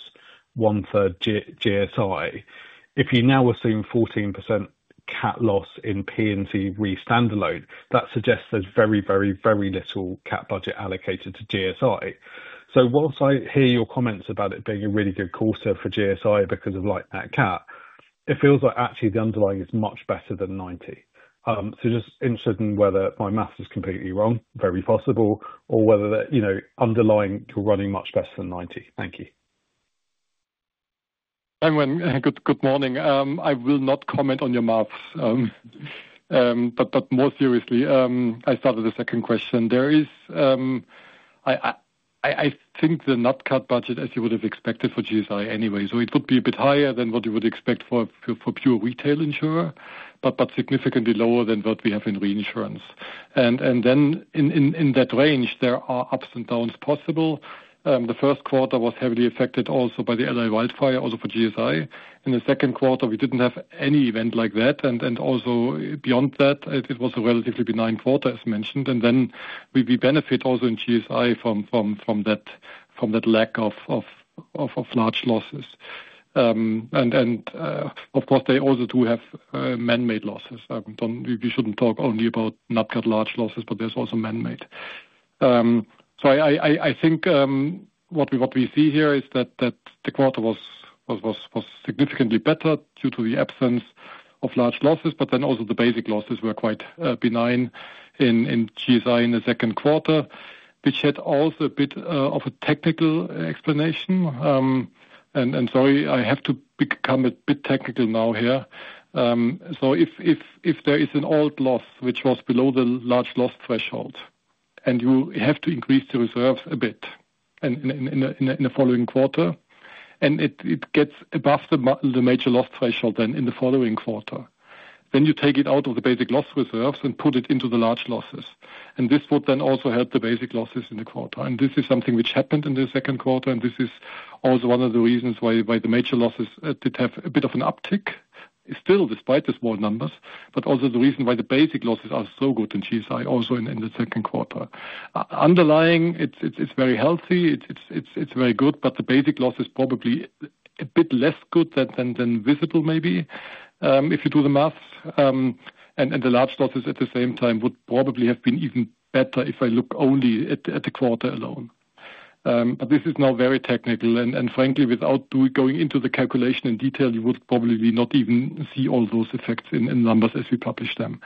one-third GSI. If you now assume 14% cat loss in P&C reinsurance standalone, that suggests there's very, very, very little cat budget allocated to GSI. Whilst I hear your comments about it being a really good quarter for GSI because of that cat, it feels like actually the underlying is much better than 90. Just interested in whether my math is completely wrong, very possible, or whether the underlying is running much better than 90. Thank you. Cameron, good morning. I will not comment on your maths, but more seriously, I started the second question. There is, I think, the NatCat budget, as you would have expected for GSI anyway, so it would be a bit higher than what you would expect for a pure retail insurer, but significantly lower than what we have in reinsurance. In that range, there are ups and downs possible. The first quarter was heavily affected also by the L.A. wildfire, also for GSI. In the second quarter, we didn't have any event like that. Beyond that, it was a relatively benign quarter, as mentioned. We benefit also in GSI from that lack of large losses. Of course, they also do have man-made losses. We shouldn't talk only about NatCat large losses, but there's also man-made. I think what we see here is that the quarter was significantly better due to the absence of large losses, but then also the basic losses were quite benign in GSI in the second quarter, which had also a bit of a technical explanation. Sorry, I have to become a bit technical now here. If there is an old loss, which was below the large loss threshold, and you have to increase the reserves a bit in the following quarter, and it gets above the major loss threshold then in the following quarter, you take it out of the basic loss reserves and put it into the large losses. This would then also help the basic losses in the quarter. This is something which happened in the second quarter. This is also one of the reasons why the major losses did have a bit of an uptick, still despite these wall numbers, but also the reason why the basic losses are so good in GSI, also in the second quarter. Underlying, it's very healthy. It's very good, but the basic loss is probably a bit less good than visible, maybe, if you do the math. The large losses at the same time would probably have been even better if I look only at the quarter alone. This is now very technical. Frankly, without going into the calculation in detail, you would probably not even see all those effects in numbers as we publish them.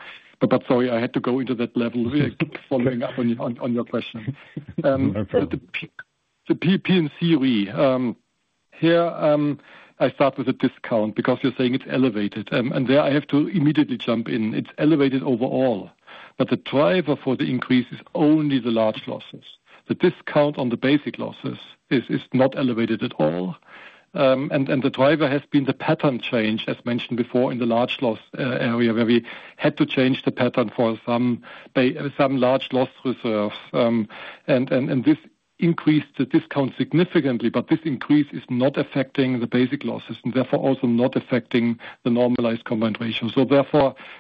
Sorry, I had to go into that level following up on your question. No problem. P&C reinsurance, here I start with a discount because you're saying it's elevated. I have to immediately jump in. It's elevated overall, but the driver for the increase is only the large losses. The discount on the basic losses is not elevated at all. The driver has been the pattern change, as mentioned before, in the large loss area where we had to change the pattern for some large loss reserves. This increased the discount significantly, but this increase is not affecting the basic losses and therefore also not affecting the normalized combined ratio.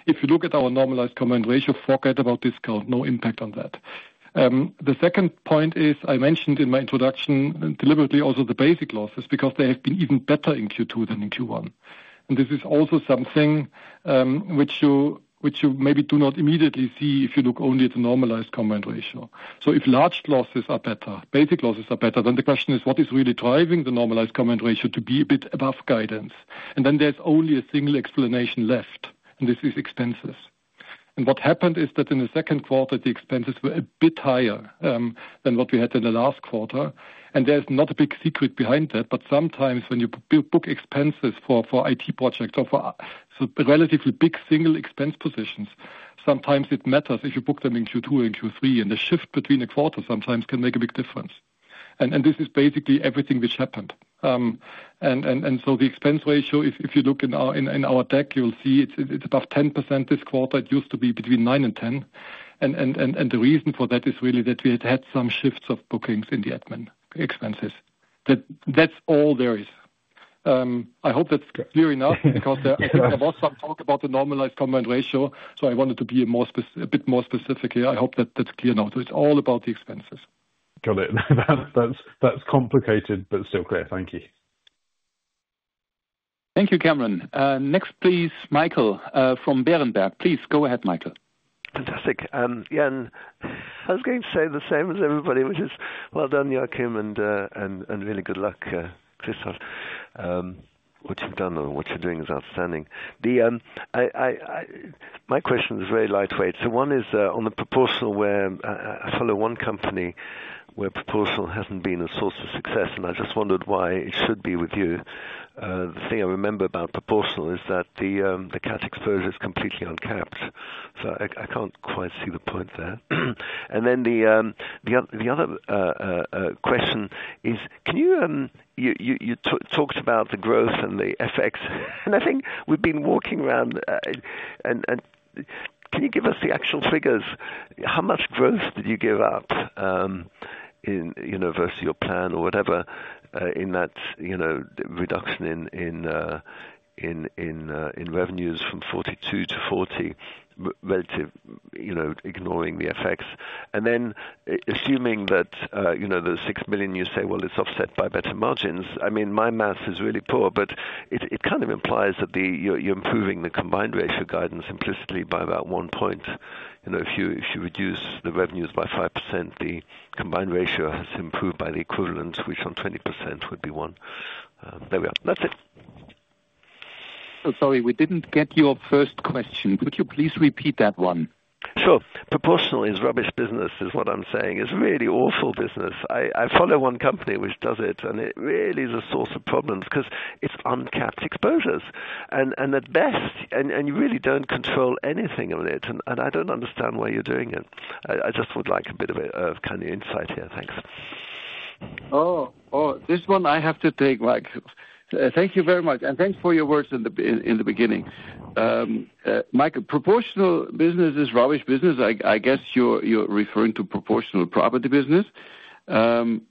If you look at our normalized combined ratio, forget about discount. No impact on that. The second point is I mentioned in my introduction deliberately also the basic losses because they have been even better in Q2 than in Q1. This is also something which you maybe do not immediately see if you look only at the normalized combined ratio. If large losses are better, basic losses are better, then the question is what is really driving the normalized combined ratio to be a bit above guidance? There is only a single explanation left, and this is expenses. What happened is that in the second quarter, the expenses were a bit higher than what we had in the last quarter. There is not a big secret behind that, but sometimes when you book expenses for IT projects or for relatively big single expense positions, it matters if you book them in Q2 or in Q3, and the shift between a quarter sometimes can make a big difference. This is basically everything which happened. The expense ratio, if you look in our deck, you'll see it's above 10% this quarter. It used to be between 9% and 10%. The reason for that is really that we had had some shifts of bookings in the admin expenses. That's all there is. I hope that's clear enough because there was some talk about the normalized combined ratio, so I wanted to be a bit more specific here. I hope that that's clear now. It's all about the expenses. Got it. That's complicated, but still clear. Thank you. Thank you, Cameron. Next, please, Michael from Berenberg. Please go ahead, Michael. Fantastic. Yeah, I was going to say the same as everybody, which is well done, Joachim, and really good luck, Christoph. What you've done and what you're doing is outstanding. My question is very lightweight. One is on the proportional where I follow one company where proportional hasn't been a source of success, and I just wondered why it should be with you. The thing I remember about proportional is that the cat exposure is completely uncapped. I can't quite see the point there. The other question is, can you talk about the growth and the effects? I think we've been walking around, and can you give us the actual figures? How much growth did you give up in university or plan or whatever in that reduction in revenues from $42 million to $40 million, relative to ignoring the effects? Assuming that the $6 million you say, well, it's offset by better margins, I mean, my math is really poor, but it kind of implies that you're improving the combined ratio guidance implicitly by about one point. If you reduce the revenues by 5%, the combined ratio has improved by the equivalent, which on 20% would be one. There we are. That's it. Sorry, we didn't get your first question. Could you please repeat that one? Sure. Proportional is rubbish business, is what I'm saying. It's really awful business. I follow one company which does it, and it really is a source of problems because it's uncapped exposures. At best, you really don't control anything of it, and I don't understand why you're doing it. I just would like a bit of a kind of insight here. Thanks. Oh. This one I have to take, Michael. Thank you very much. Thanks for your words in the beginning. Michael, proportional business is rubbish business. I guess you're referring to proportional property business. You're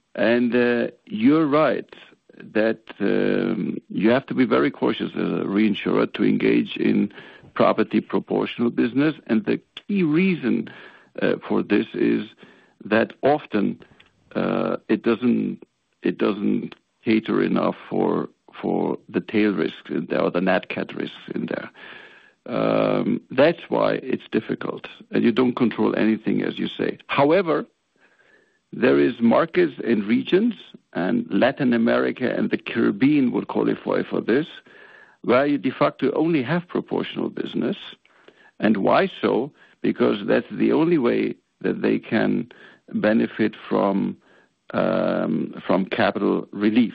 right that you have to be very cautious as a reinsurer to engage in property proportional business. The key reason for this is that often it doesn't cater enough for the tail risk in there or the NatCat risk in there. That's why it's difficult, and you don't control anything, as you say. However, there are markets and regions, and Latin America and the Caribbean would qualify for this, where you de facto only have proportional business. Why so? That's the only way that they can benefit from capital relief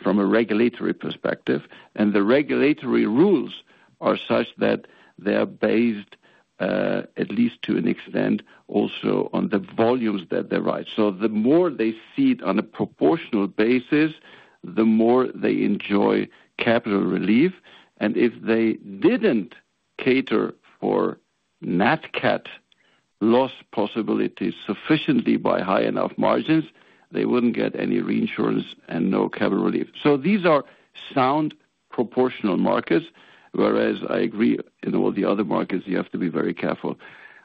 from a regulatory perspective. The regulatory rules are such that they're based, at least to an extent, also on the volumes that they write. The more they see it on a proportional basis, the more they enjoy capital relief. If they didn't cater for NatCat loss possibilities sufficiently by high enough margins, they wouldn't get any reinsurance and no capital relief. These are sound proportional markets, whereas I agree in all the other markets, you have to be very careful.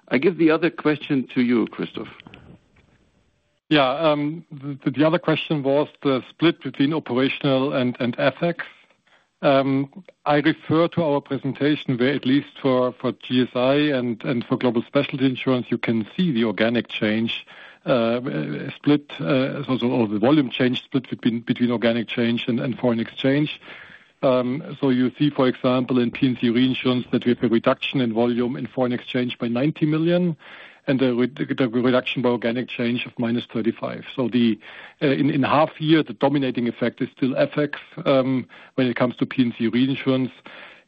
I give the other question to you, Christoph. Yeah, the other question was the split between operational and FX. I refer to our presentation where at least for GSI and for Global Specialty Insurance, you can see the organic change split, so the volume change split between organic change and foreign exchange. You see, for example, in P&C reinsurance that we have a reduction in volume in foreign exchange by $90 million and a reduction by organic change of -$35 million. In half a year, the dominating effect is still FX when it comes to P&C reinsurance.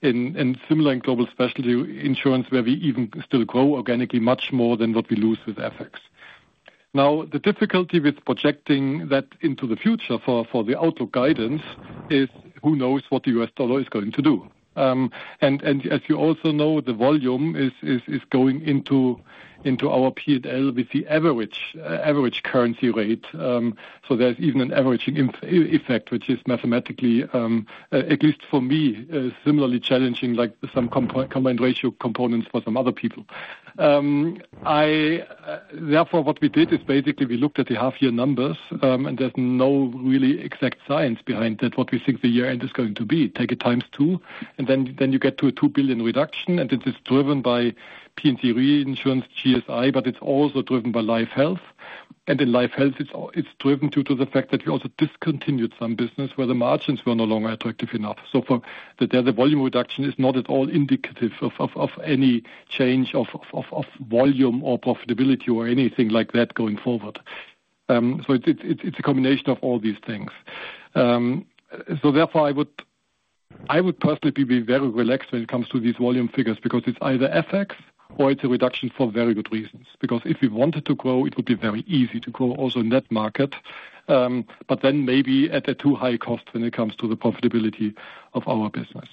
Similar in Global Specialty Insurance, where we even still grow organically much more than what we lose with FX. The difficulty with projecting that into the future for the outlook guidance is who knows what the US dollar is going to do. As you also know, the volume is going into our P&L with the average currency rate. There's even an averaging effect, which is mathematically, at least for me, similarly challenging like some combined ratio components for some other people. Therefore, what we did is basically we looked at the half-year numbers, and there's no really exact science behind that, what we think the year-end is going to be. Take it times two, and then you get to a $2 billion reduction. This is driven by P&C reinsurance, GSI, but it's also driven by life and health. In life and health, it's driven due to the fact that we also discontinued some business where the margins were no longer attractive enough. There the volume reduction is not at all indicative of any change of volume or profitability or anything like that going forward. It's a combination of all these things. Therefore, I would personally be very relaxed when it comes to these volume figures because it's either FX or it's a reduction for very good reasons. If we wanted to grow, it would be very easy to grow also in that market, but then maybe at a too high cost when it comes to the profitability of our business.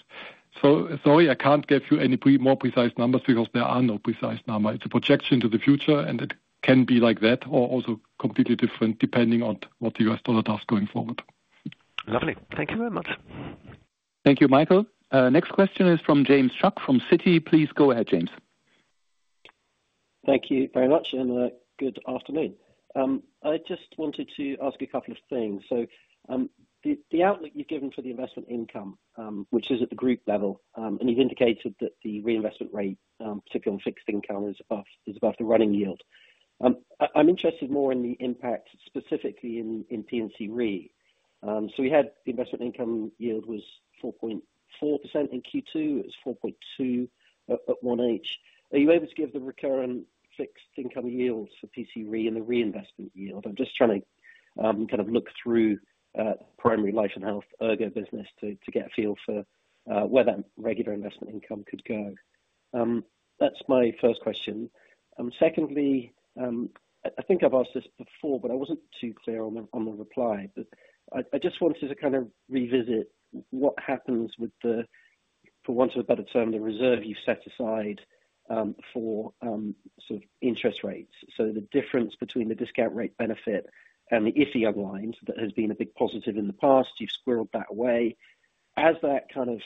Sorry, I can't give you any more precise numbers because there are no precise numbers. It's a projection to the future, and it can be like that or also completely different depending on what the US dollar does going forward. Lovely. Thank you very much. Thank you, Michael. Next question is from James Shuck from Citi. Please go ahead, James. Thank you very much, and good afternoon. I just wanted to ask a couple of things. The outlook you've given for the investment income, which is at the group level, and you've indicated that the reinvestment rate, particularly on fixed income, is above the running yield. I'm interested more in the impact specifically in P&C reinsurance. We had the investment income yield was 4.4% in Q2. It was 4.2% at 1.8%. Are you able to give the recurrent fixed income yields for P&C reinsurance and the reinvestment yield? I'm just trying to kind of look through primary life and health ERGO business to get a feel for where that regular investment income could go. That's my first question. Secondly, I think I've asked this before, but I wasn't too clear on the reply. I just wanted to revisit what happens with the, for want of a better term, the reserve you've set aside for sort of interest rates. The difference between the discount rate benefit and the ETIG unwind that has been a big positive in the past, you've squirreled that away. As that kind of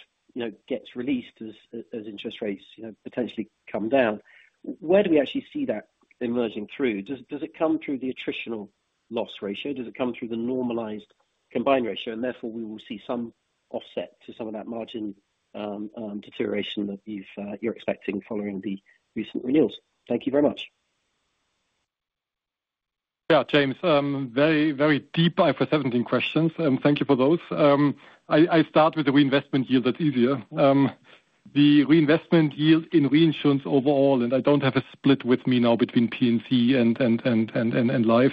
gets released as interest rates potentially come down, where do we actually see that emerging through? Does it come through the attritional loss ratio? Does it come through the normalized combined ratio? Therefore, we will see some offset to some of that margin deterioration that you're expecting following the recent renewals. Thank you very much. Yeah, James, very, very deep dive for 17 questions. Thank you for those. I start with the reinvestment yield, that's easier. The reinvestment yield in reinsurance overall, and I don't have a split with me now between P&C and life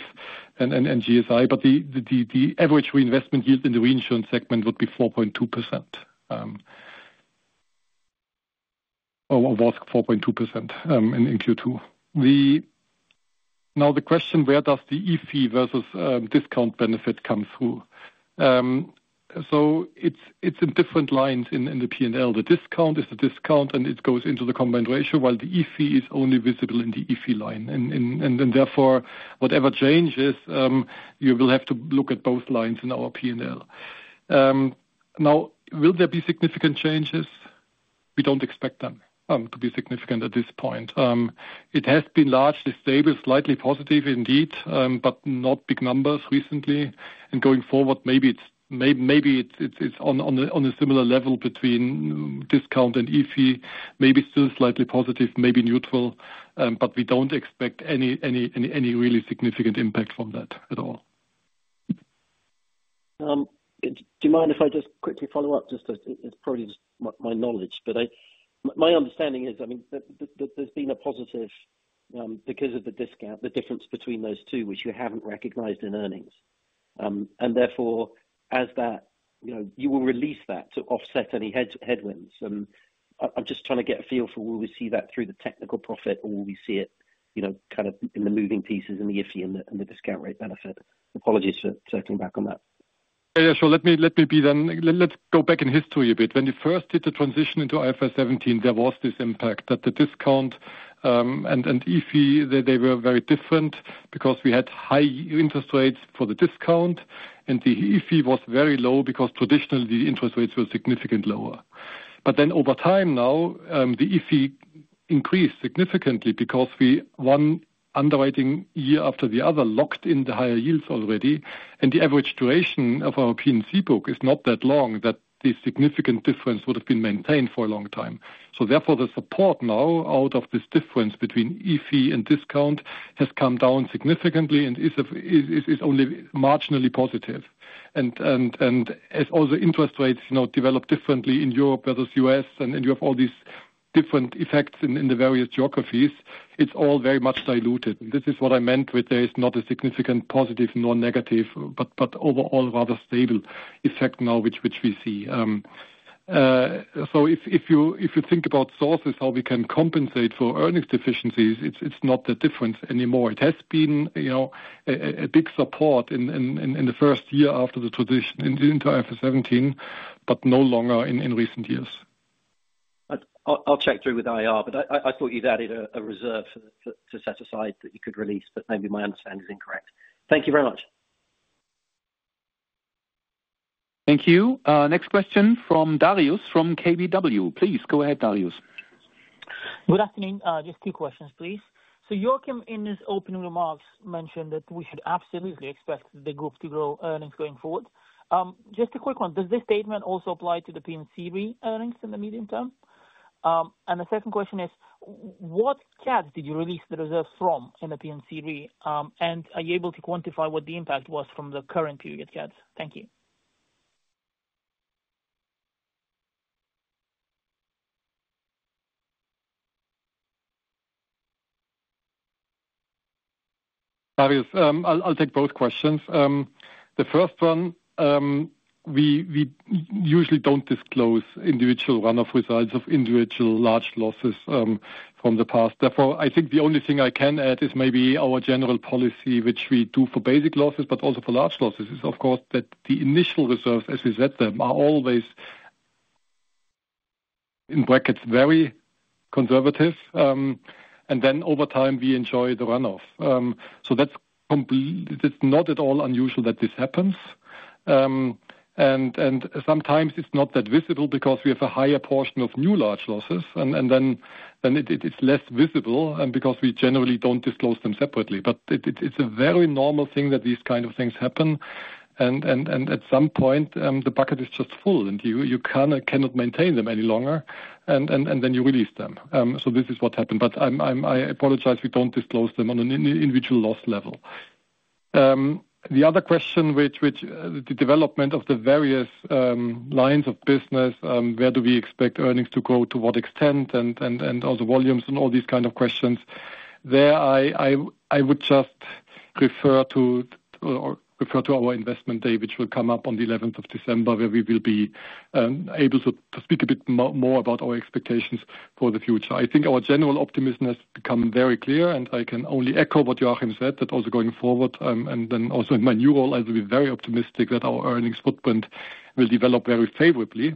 and GSI, but the average reinvestment yield in the reinsurance segment would be 4.2% or was 4.2% in Q2. Now the question, where does the ETIG versus discount benefit come through? It's in different lines in the P&L. The discount is a discount, and it goes into the combined ratio, while the ETIG is only visible in the ETIG line. Therefore, whatever changes, you will have to look at both lines in our P&L. Will there be significant changes? We don't expect them to be significant at this point. It has been largely stable, slightly positive indeed, but not big numbers recently. Going forward, maybe it's on a similar level between discount and ETIG, maybe still slightly positive, maybe neutral, but we don't expect any really significant impact from that at all. Do you mind if I just quickly follow up? Just as probably just my knowledge, but my understanding is, I mean, that there's been a positive because of the discount, the difference between those two, which you haven't recognized in earnings. Therefore, as that, you know, you will release that to offset any headwinds. I'm just trying to get a feel for will we see that through the technical profit or will we see it, you know, kind of in the moving pieces in the ETIG and the discount rate benefit? Apologies for back. Yeah, sure. Let me be then. Let's go back in history a bit. When we first did the transition into IFRS 17, there was this impact that the discount and EFI, they were very different because we had high interest rates for the discount, and the EFI was very low because traditionally the interest rates were significantly lower. Over time now, the EFI increased significantly because we one underwriting year after the other locked in the higher yields already. The average duration of our P&C book is not that long that the significant difference would have been maintained for a long time. Therefore, the support now out of this difference between EFI and discount has come down significantly and is only marginally positive. As interest rates develop differently in Europe versus the U.S., and you have all these different effects in the various geographies, it's all very much diluted. This is what I meant with there is not a significant positive nor negative, but overall rather stable effect now which we see. If you think about sources, how we can compensate for earnings deficiencies, it's not the difference anymore. It has been a big support in the first year after the transition into IFRS 17, but no longer in recent years. I'll check through with IR, but I thought you'd added a reserve to set aside that you could release. Maybe my understanding is incorrect. Thank you very much. Thank you. Next question from Darius Satkauskas from KBW. Please go ahead, Darius. Good afternoon. Just two questions, please. Joachim in his opening remarks mentioned that we should absolutely expect the group to grow earnings going forward. Just a quick one, does this statement also apply to the P&C re earnings in the medium term? The second question is, what CAD did you release the reserves from in the P&C re, and are you able to quantify what the impact was from the current period CAD? Thank you. Darius, I'll take both questions. The first one, we usually don't disclose individual run-off results of individual large losses from the past. Therefore, I think the only thing I can add is maybe our general policy, which we do for basic losses, but also for large losses, is of course that the initial reserves, as we set them, are always, in brackets, very conservative. Over time, we enjoy the run-off. It's not at all unusual that this happens. Sometimes it's not that visible because we have a higher portion of new large losses, and then it's less visible because we generally don't disclose them separately. It's a very normal thing that these kinds of things happen. At some point, the bucket is just full, and you cannot maintain them any longer, and then you release them. This is what happened. I apologize, we don't disclose them on an individual loss level. The other question, which is the development of the various lines of business, where do we expect earnings to go, to what extent, and all the volumes and all these kinds of questions, there I would just refer to our Investors Day, which will come up on the 11th of December, where we will be able to speak a bit more about our expectations for the future. I think our general optimism has become very clear, and I can only echo what Joachim said, that also going forward, and then also in my new role, I will be very optimistic that our earnings footprint will develop very favorably.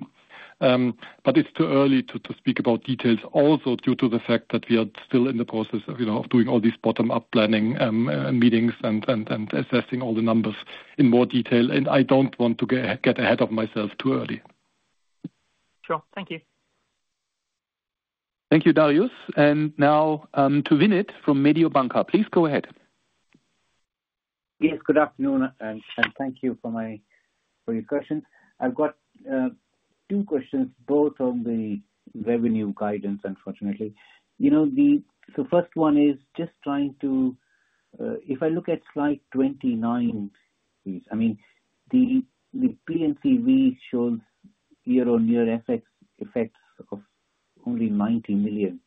It's too early to speak about details also due to the fact that we are still in the process of doing all these bottom-up planning meetings and assessing all the numbers in more detail. I don't want to get ahead of myself too early. Sure, thank you. Thank you, Darius. Now, to Vinit from Mediobanca, please go ahead. Yes, good afternoon, and thank you for your questions. I've got two questions, both on the revenue guidance, unfortunately. The first one is just trying to, if I look at slide 29, I mean, the P&C re shows year-on-year effects of only $90 million.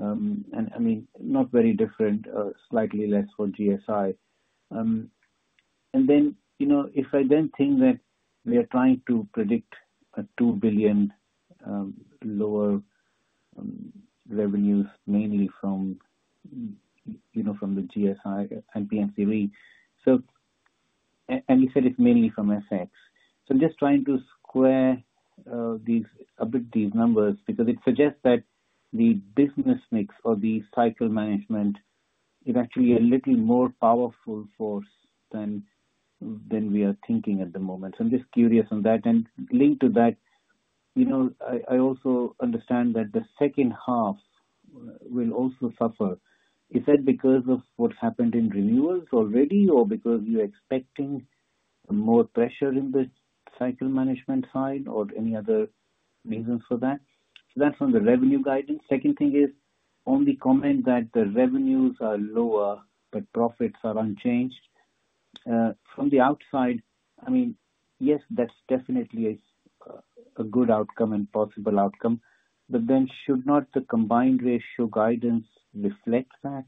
I mean, not very different, slightly less for GSI. If I then think that we are trying to predict a $2 billion lower revenues, mainly from the GSI and P&C re, and you said it's mainly from FX. I'm just trying to square these numbers because it suggests that the business mix or the cycle management is actually a little more powerful force than we are thinking at the moment. I'm just curious on that. Linked to that, I also understand that the second half will also suffer. Is that because of what happened in renewals already or because you're expecting more pressure in the cycle management side or any other reasons for that? That's on the revenue guidance. Second thing is on the comment that the revenues are lower, but profits are unchanged. From the outside, I mean, yes, that's definitely a good outcome and possible outcome. Should not the combined ratio guidance reflect that,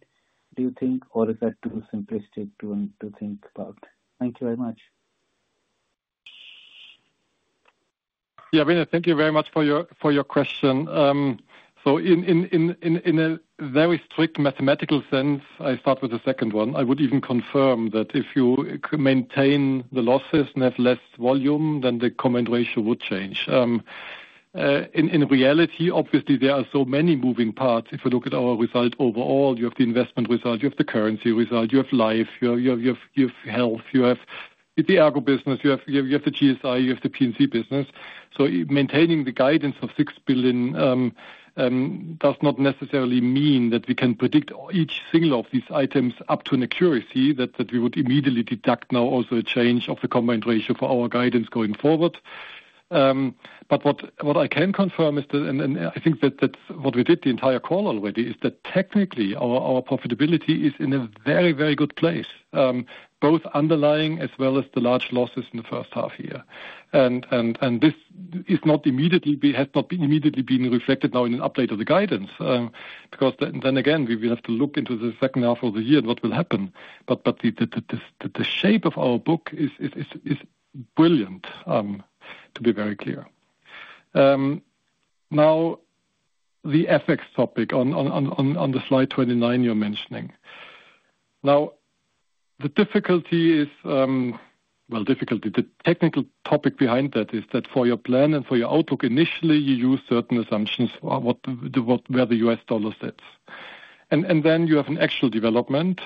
do you think, or is that too simplistic to think about? Thank you very much. Yeah, Vinit, thank you very much for your question. In a very strict mathematical sense, I start with the second one. I would even confirm that if you maintain the losses and have less volume, then the combined ratio would change. In reality, obviously, there are so many moving parts. If you look at our result overall, you have the investment result, you have the currency result, you have life, you have health, you have the agribusiness, you have the GSI, you have the P&C business. Maintaining the guidance of $6 billion does not necessarily mean that we can predict each single of these items up to an accuracy that we would immediately deduct now also a change of the combined ratio for our guidance going forward. What I can confirm is that, and I think that that's what we did the entire call already, is that technically, our profitability is in a very, very good place, both underlying as well as the large losses in the first half year. This has not been immediately reflected now in an update of the guidance because again, we will have to look into the second half of the year and what will happen. The shape of our book is brilliant, to be very clear. Now, the FX topic on slide 29 you're mentioning. The difficulty is, the technical topic behind that is that for your plan and for your outlook, initially, you use certain assumptions where the US dollar sits. Then you have an actual development.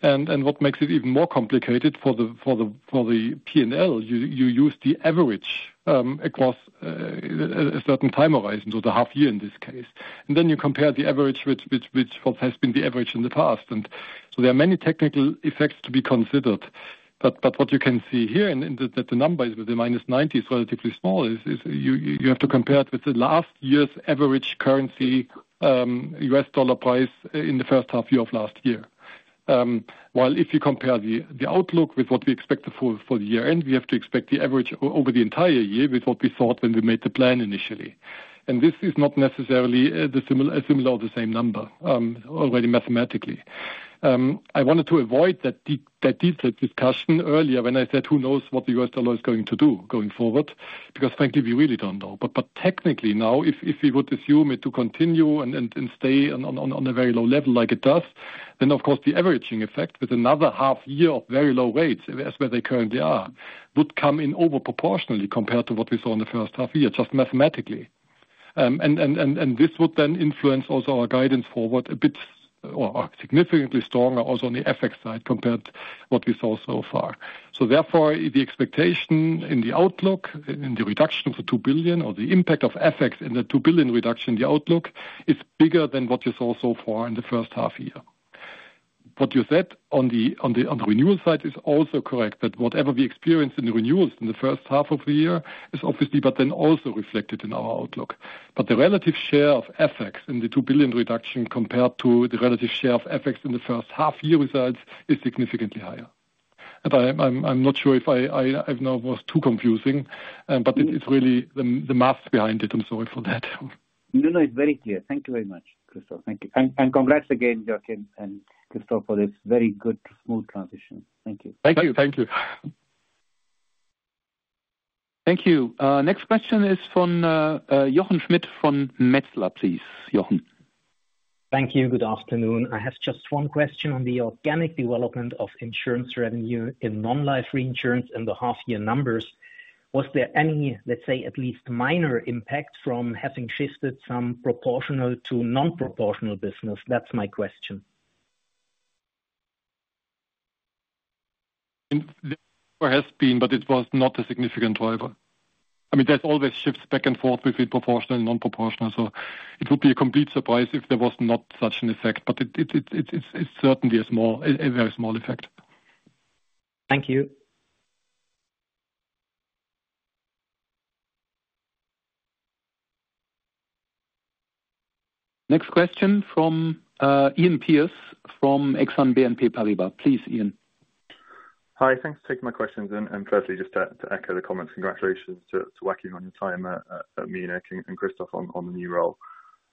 What makes it even more complicated for the P&L, you use the average across a certain time horizon, so the half year in this case. Then you compare the average with what has been the average in the past. There are many technical effects to be considered. What you can see here in that the numbers with the minus 90 is relatively small, is you have to compare it with last year's average currency US dollar price in the first half year of last year. While if you compare the outlook with what we expect for the year end, we have to expect the average over the entire year with what we thought when we made the plan initially. This is not necessarily a similar or the same number already mathematically. I wanted to avoid that detailed discussion earlier when I said, "Who knows what the US dollar is going to do going forward?" Because frankly, we really don't know. Technically now, if we would assume it to continue and stay on a very low level like it does, then of course, the averaging effect with another half year of very low rates as where they currently are would come in overproportionately compared to what we saw in the first half year, just mathematically. This would then influence also our guidance forward a bit or significantly stronger also on the FX side compared to what we saw so far. Therefore, the expectation in the outlook, in the reduction of the $2 billion or the impact of FX in the $2 billion reduction in the outlook, is bigger than what you saw so far in the first half year. What you said on the renewal side is also correct, that whatever we experience in the renewals in the first half of the year is obviously, but then also reflected in our outlook. The relative share of FX in the $2 billion reduction compared to the relative share of FX in the first half year results is significantly higher. I'm not sure if I now was too confusing, but it's really the maths behind it. I'm sorry for that. No, no, it's very clear. Thank you very much, Christoph. Thank you, and congrats again, Joachim and Christoph, for this very good, smooth transition. Thank you. Thank you. Thank you. Thank you. Next question is from Jochen Schmitt from Metzler, please. Jochen. Thank you. Good afternoon. I have just one question on the organic development of insurance revenue in non-life reinsurance and the half-year numbers. Was there any, let's say, at least minor impact from having shifted some proportional to non-proportional business? That's my question. There has been, but it was not a significant driver. I mean, there's always shifts back and forth between proportional and non-proportional. It would be a complete surprise if there was not such an effect. It is certainly a small, a very small effect. Thank you. Next question from Iain Pearce from Exane BNP Paribas. Please, Iain. Hi. Thanks for taking my questions. Firstly, just to echo the comments, congratulations to Joachim on your time at Munich Re and Christoph on the new role.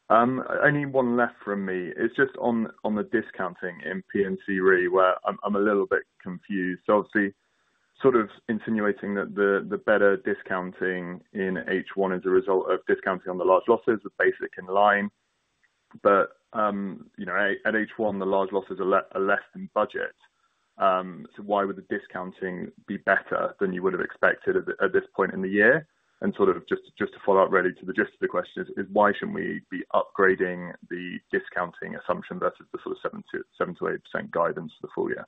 Only one left from me. It's just on the discounting in P&C re where I'm a little bit confused. Obviously, sort of insinuating that the better discounting in H1 is a result of discounting on the large losses with basic in line. You know at H1, the large losses are less than budget. Why would the discounting be better than you would have expected at this point in the year? Just to follow up, really the gist of the question is, why shouldn't we be upgrading the discounting assumption versus the sort of 7%-8% guidance for the full year?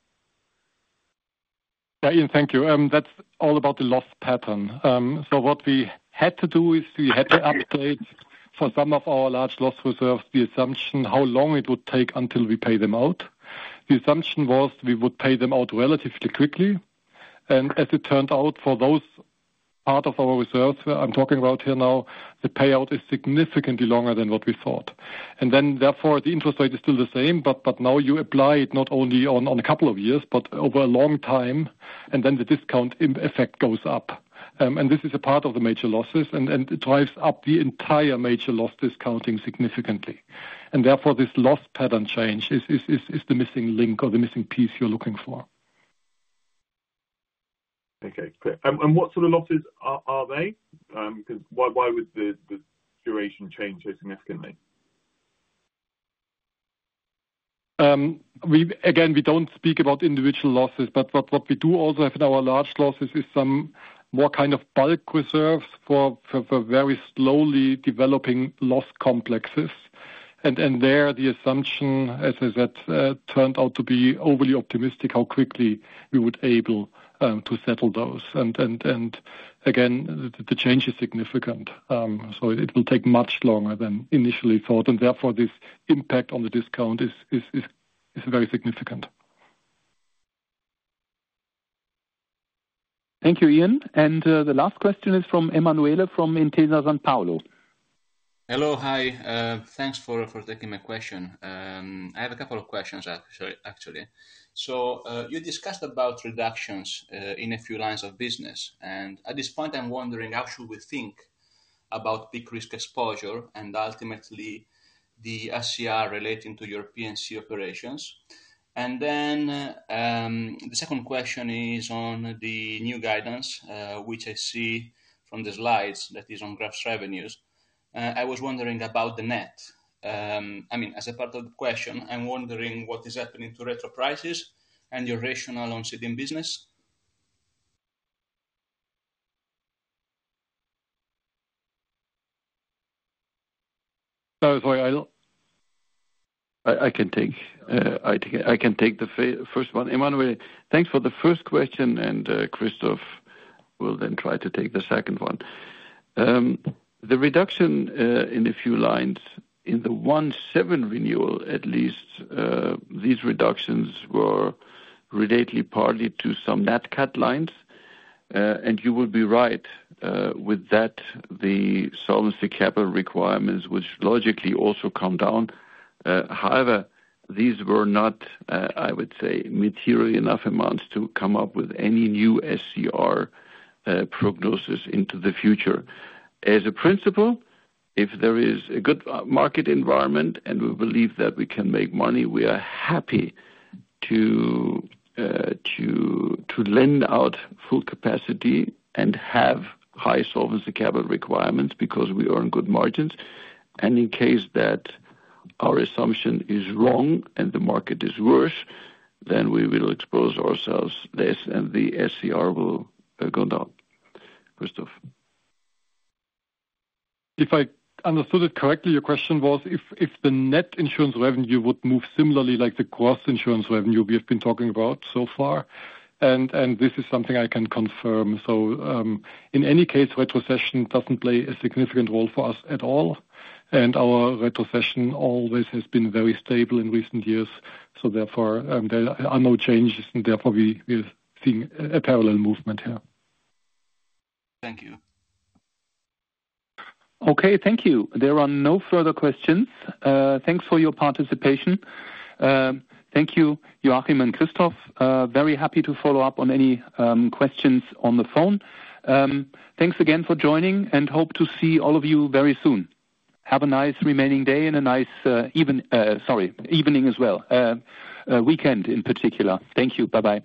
Yeah, Iain, thank you. That's all about the loss pattern. What we had to do is we had to update for some of our large loss reserves the assumption how long it would take until we pay them out. The assumption was we would pay them out relatively quickly. As it turned out for those parts of our reserves where I'm talking about here now, the payout is significantly longer than what we thought. Therefore, the interest rate is still the same, but now you apply it not only on a couple of years, but over a long time, and the discount effect goes up. This is a part of the major losses and drives up the entire major loss discounting significantly. Therefore, this loss pattern change is the missing link or the missing piece you're looking for. Great. What sort of losses are they? Why would the duration change so significantly? Again, we don't speak about individual losses, but what we do also have in our large losses is some more kind of bulk reserves for very slowly developing loss complexes. There, the assumption, as I said, turned out to be overly optimistic how quickly we would be able to settle those. The change is significant. It will take much longer than initially thought, and therefore, this impact on the discount is very significant. Thank you, Iain. The last question is from Emanuela from Intesa Sanpaolo. Hello. Hi. Thanks for taking my question. I have a couple of questions, actually. You discussed reductions in a few lines of business. At this point, I'm wondering how should we think about big risk exposure and ultimately the SCR relating to your P&C operations? The second question is on the new guidance, which I see from the slides that is on gross revenues. I was wondering about the net. As a part of the question, I'm wondering what is happening to retro prices and your rationale on seeding business. Sorry, I can take the first one. Emanuela, thanks for the first question, and Christoph will then try to take the second one. The reduction in a few lines in the 1/7 renewal, at least these reductions were related partly to some net cut lines. You will be right with that, the solvency capital requirements, which logically also come down. However, these were not, I would say, material enough amounts to come up with any new SCR prognosis into the future. As a principle, if there is a good market environment and we believe that we can make money, we are happy to lend out full capacity and have high solvency capital requirements because we earn good margins. In case that our assumption is wrong and the market is worse, we will expose ourselves less and the SCR will go down. Christoph. If I understood it correctly, your question was if the net insurance revenue would move similarly like the gross insurance revenue we have been talking about so far. This is something I can confirm. In any case, retrocession doesn't play a significant role for us at all, and our retrocession always has been very stable in recent years. Therefore, there are no changes, and we are seeing a parallel movement here. Thank you. Okay. Thank you. There are no further questions. Thanks for your participation. Thank you, Joachim and Christoph. Very happy to follow up on any questions on the phone. Thanks again for joining, and hope to see all of you very soon. Have a nice remaining day and a nice evening as well, weekend in particular. Thank you. Bye-bye.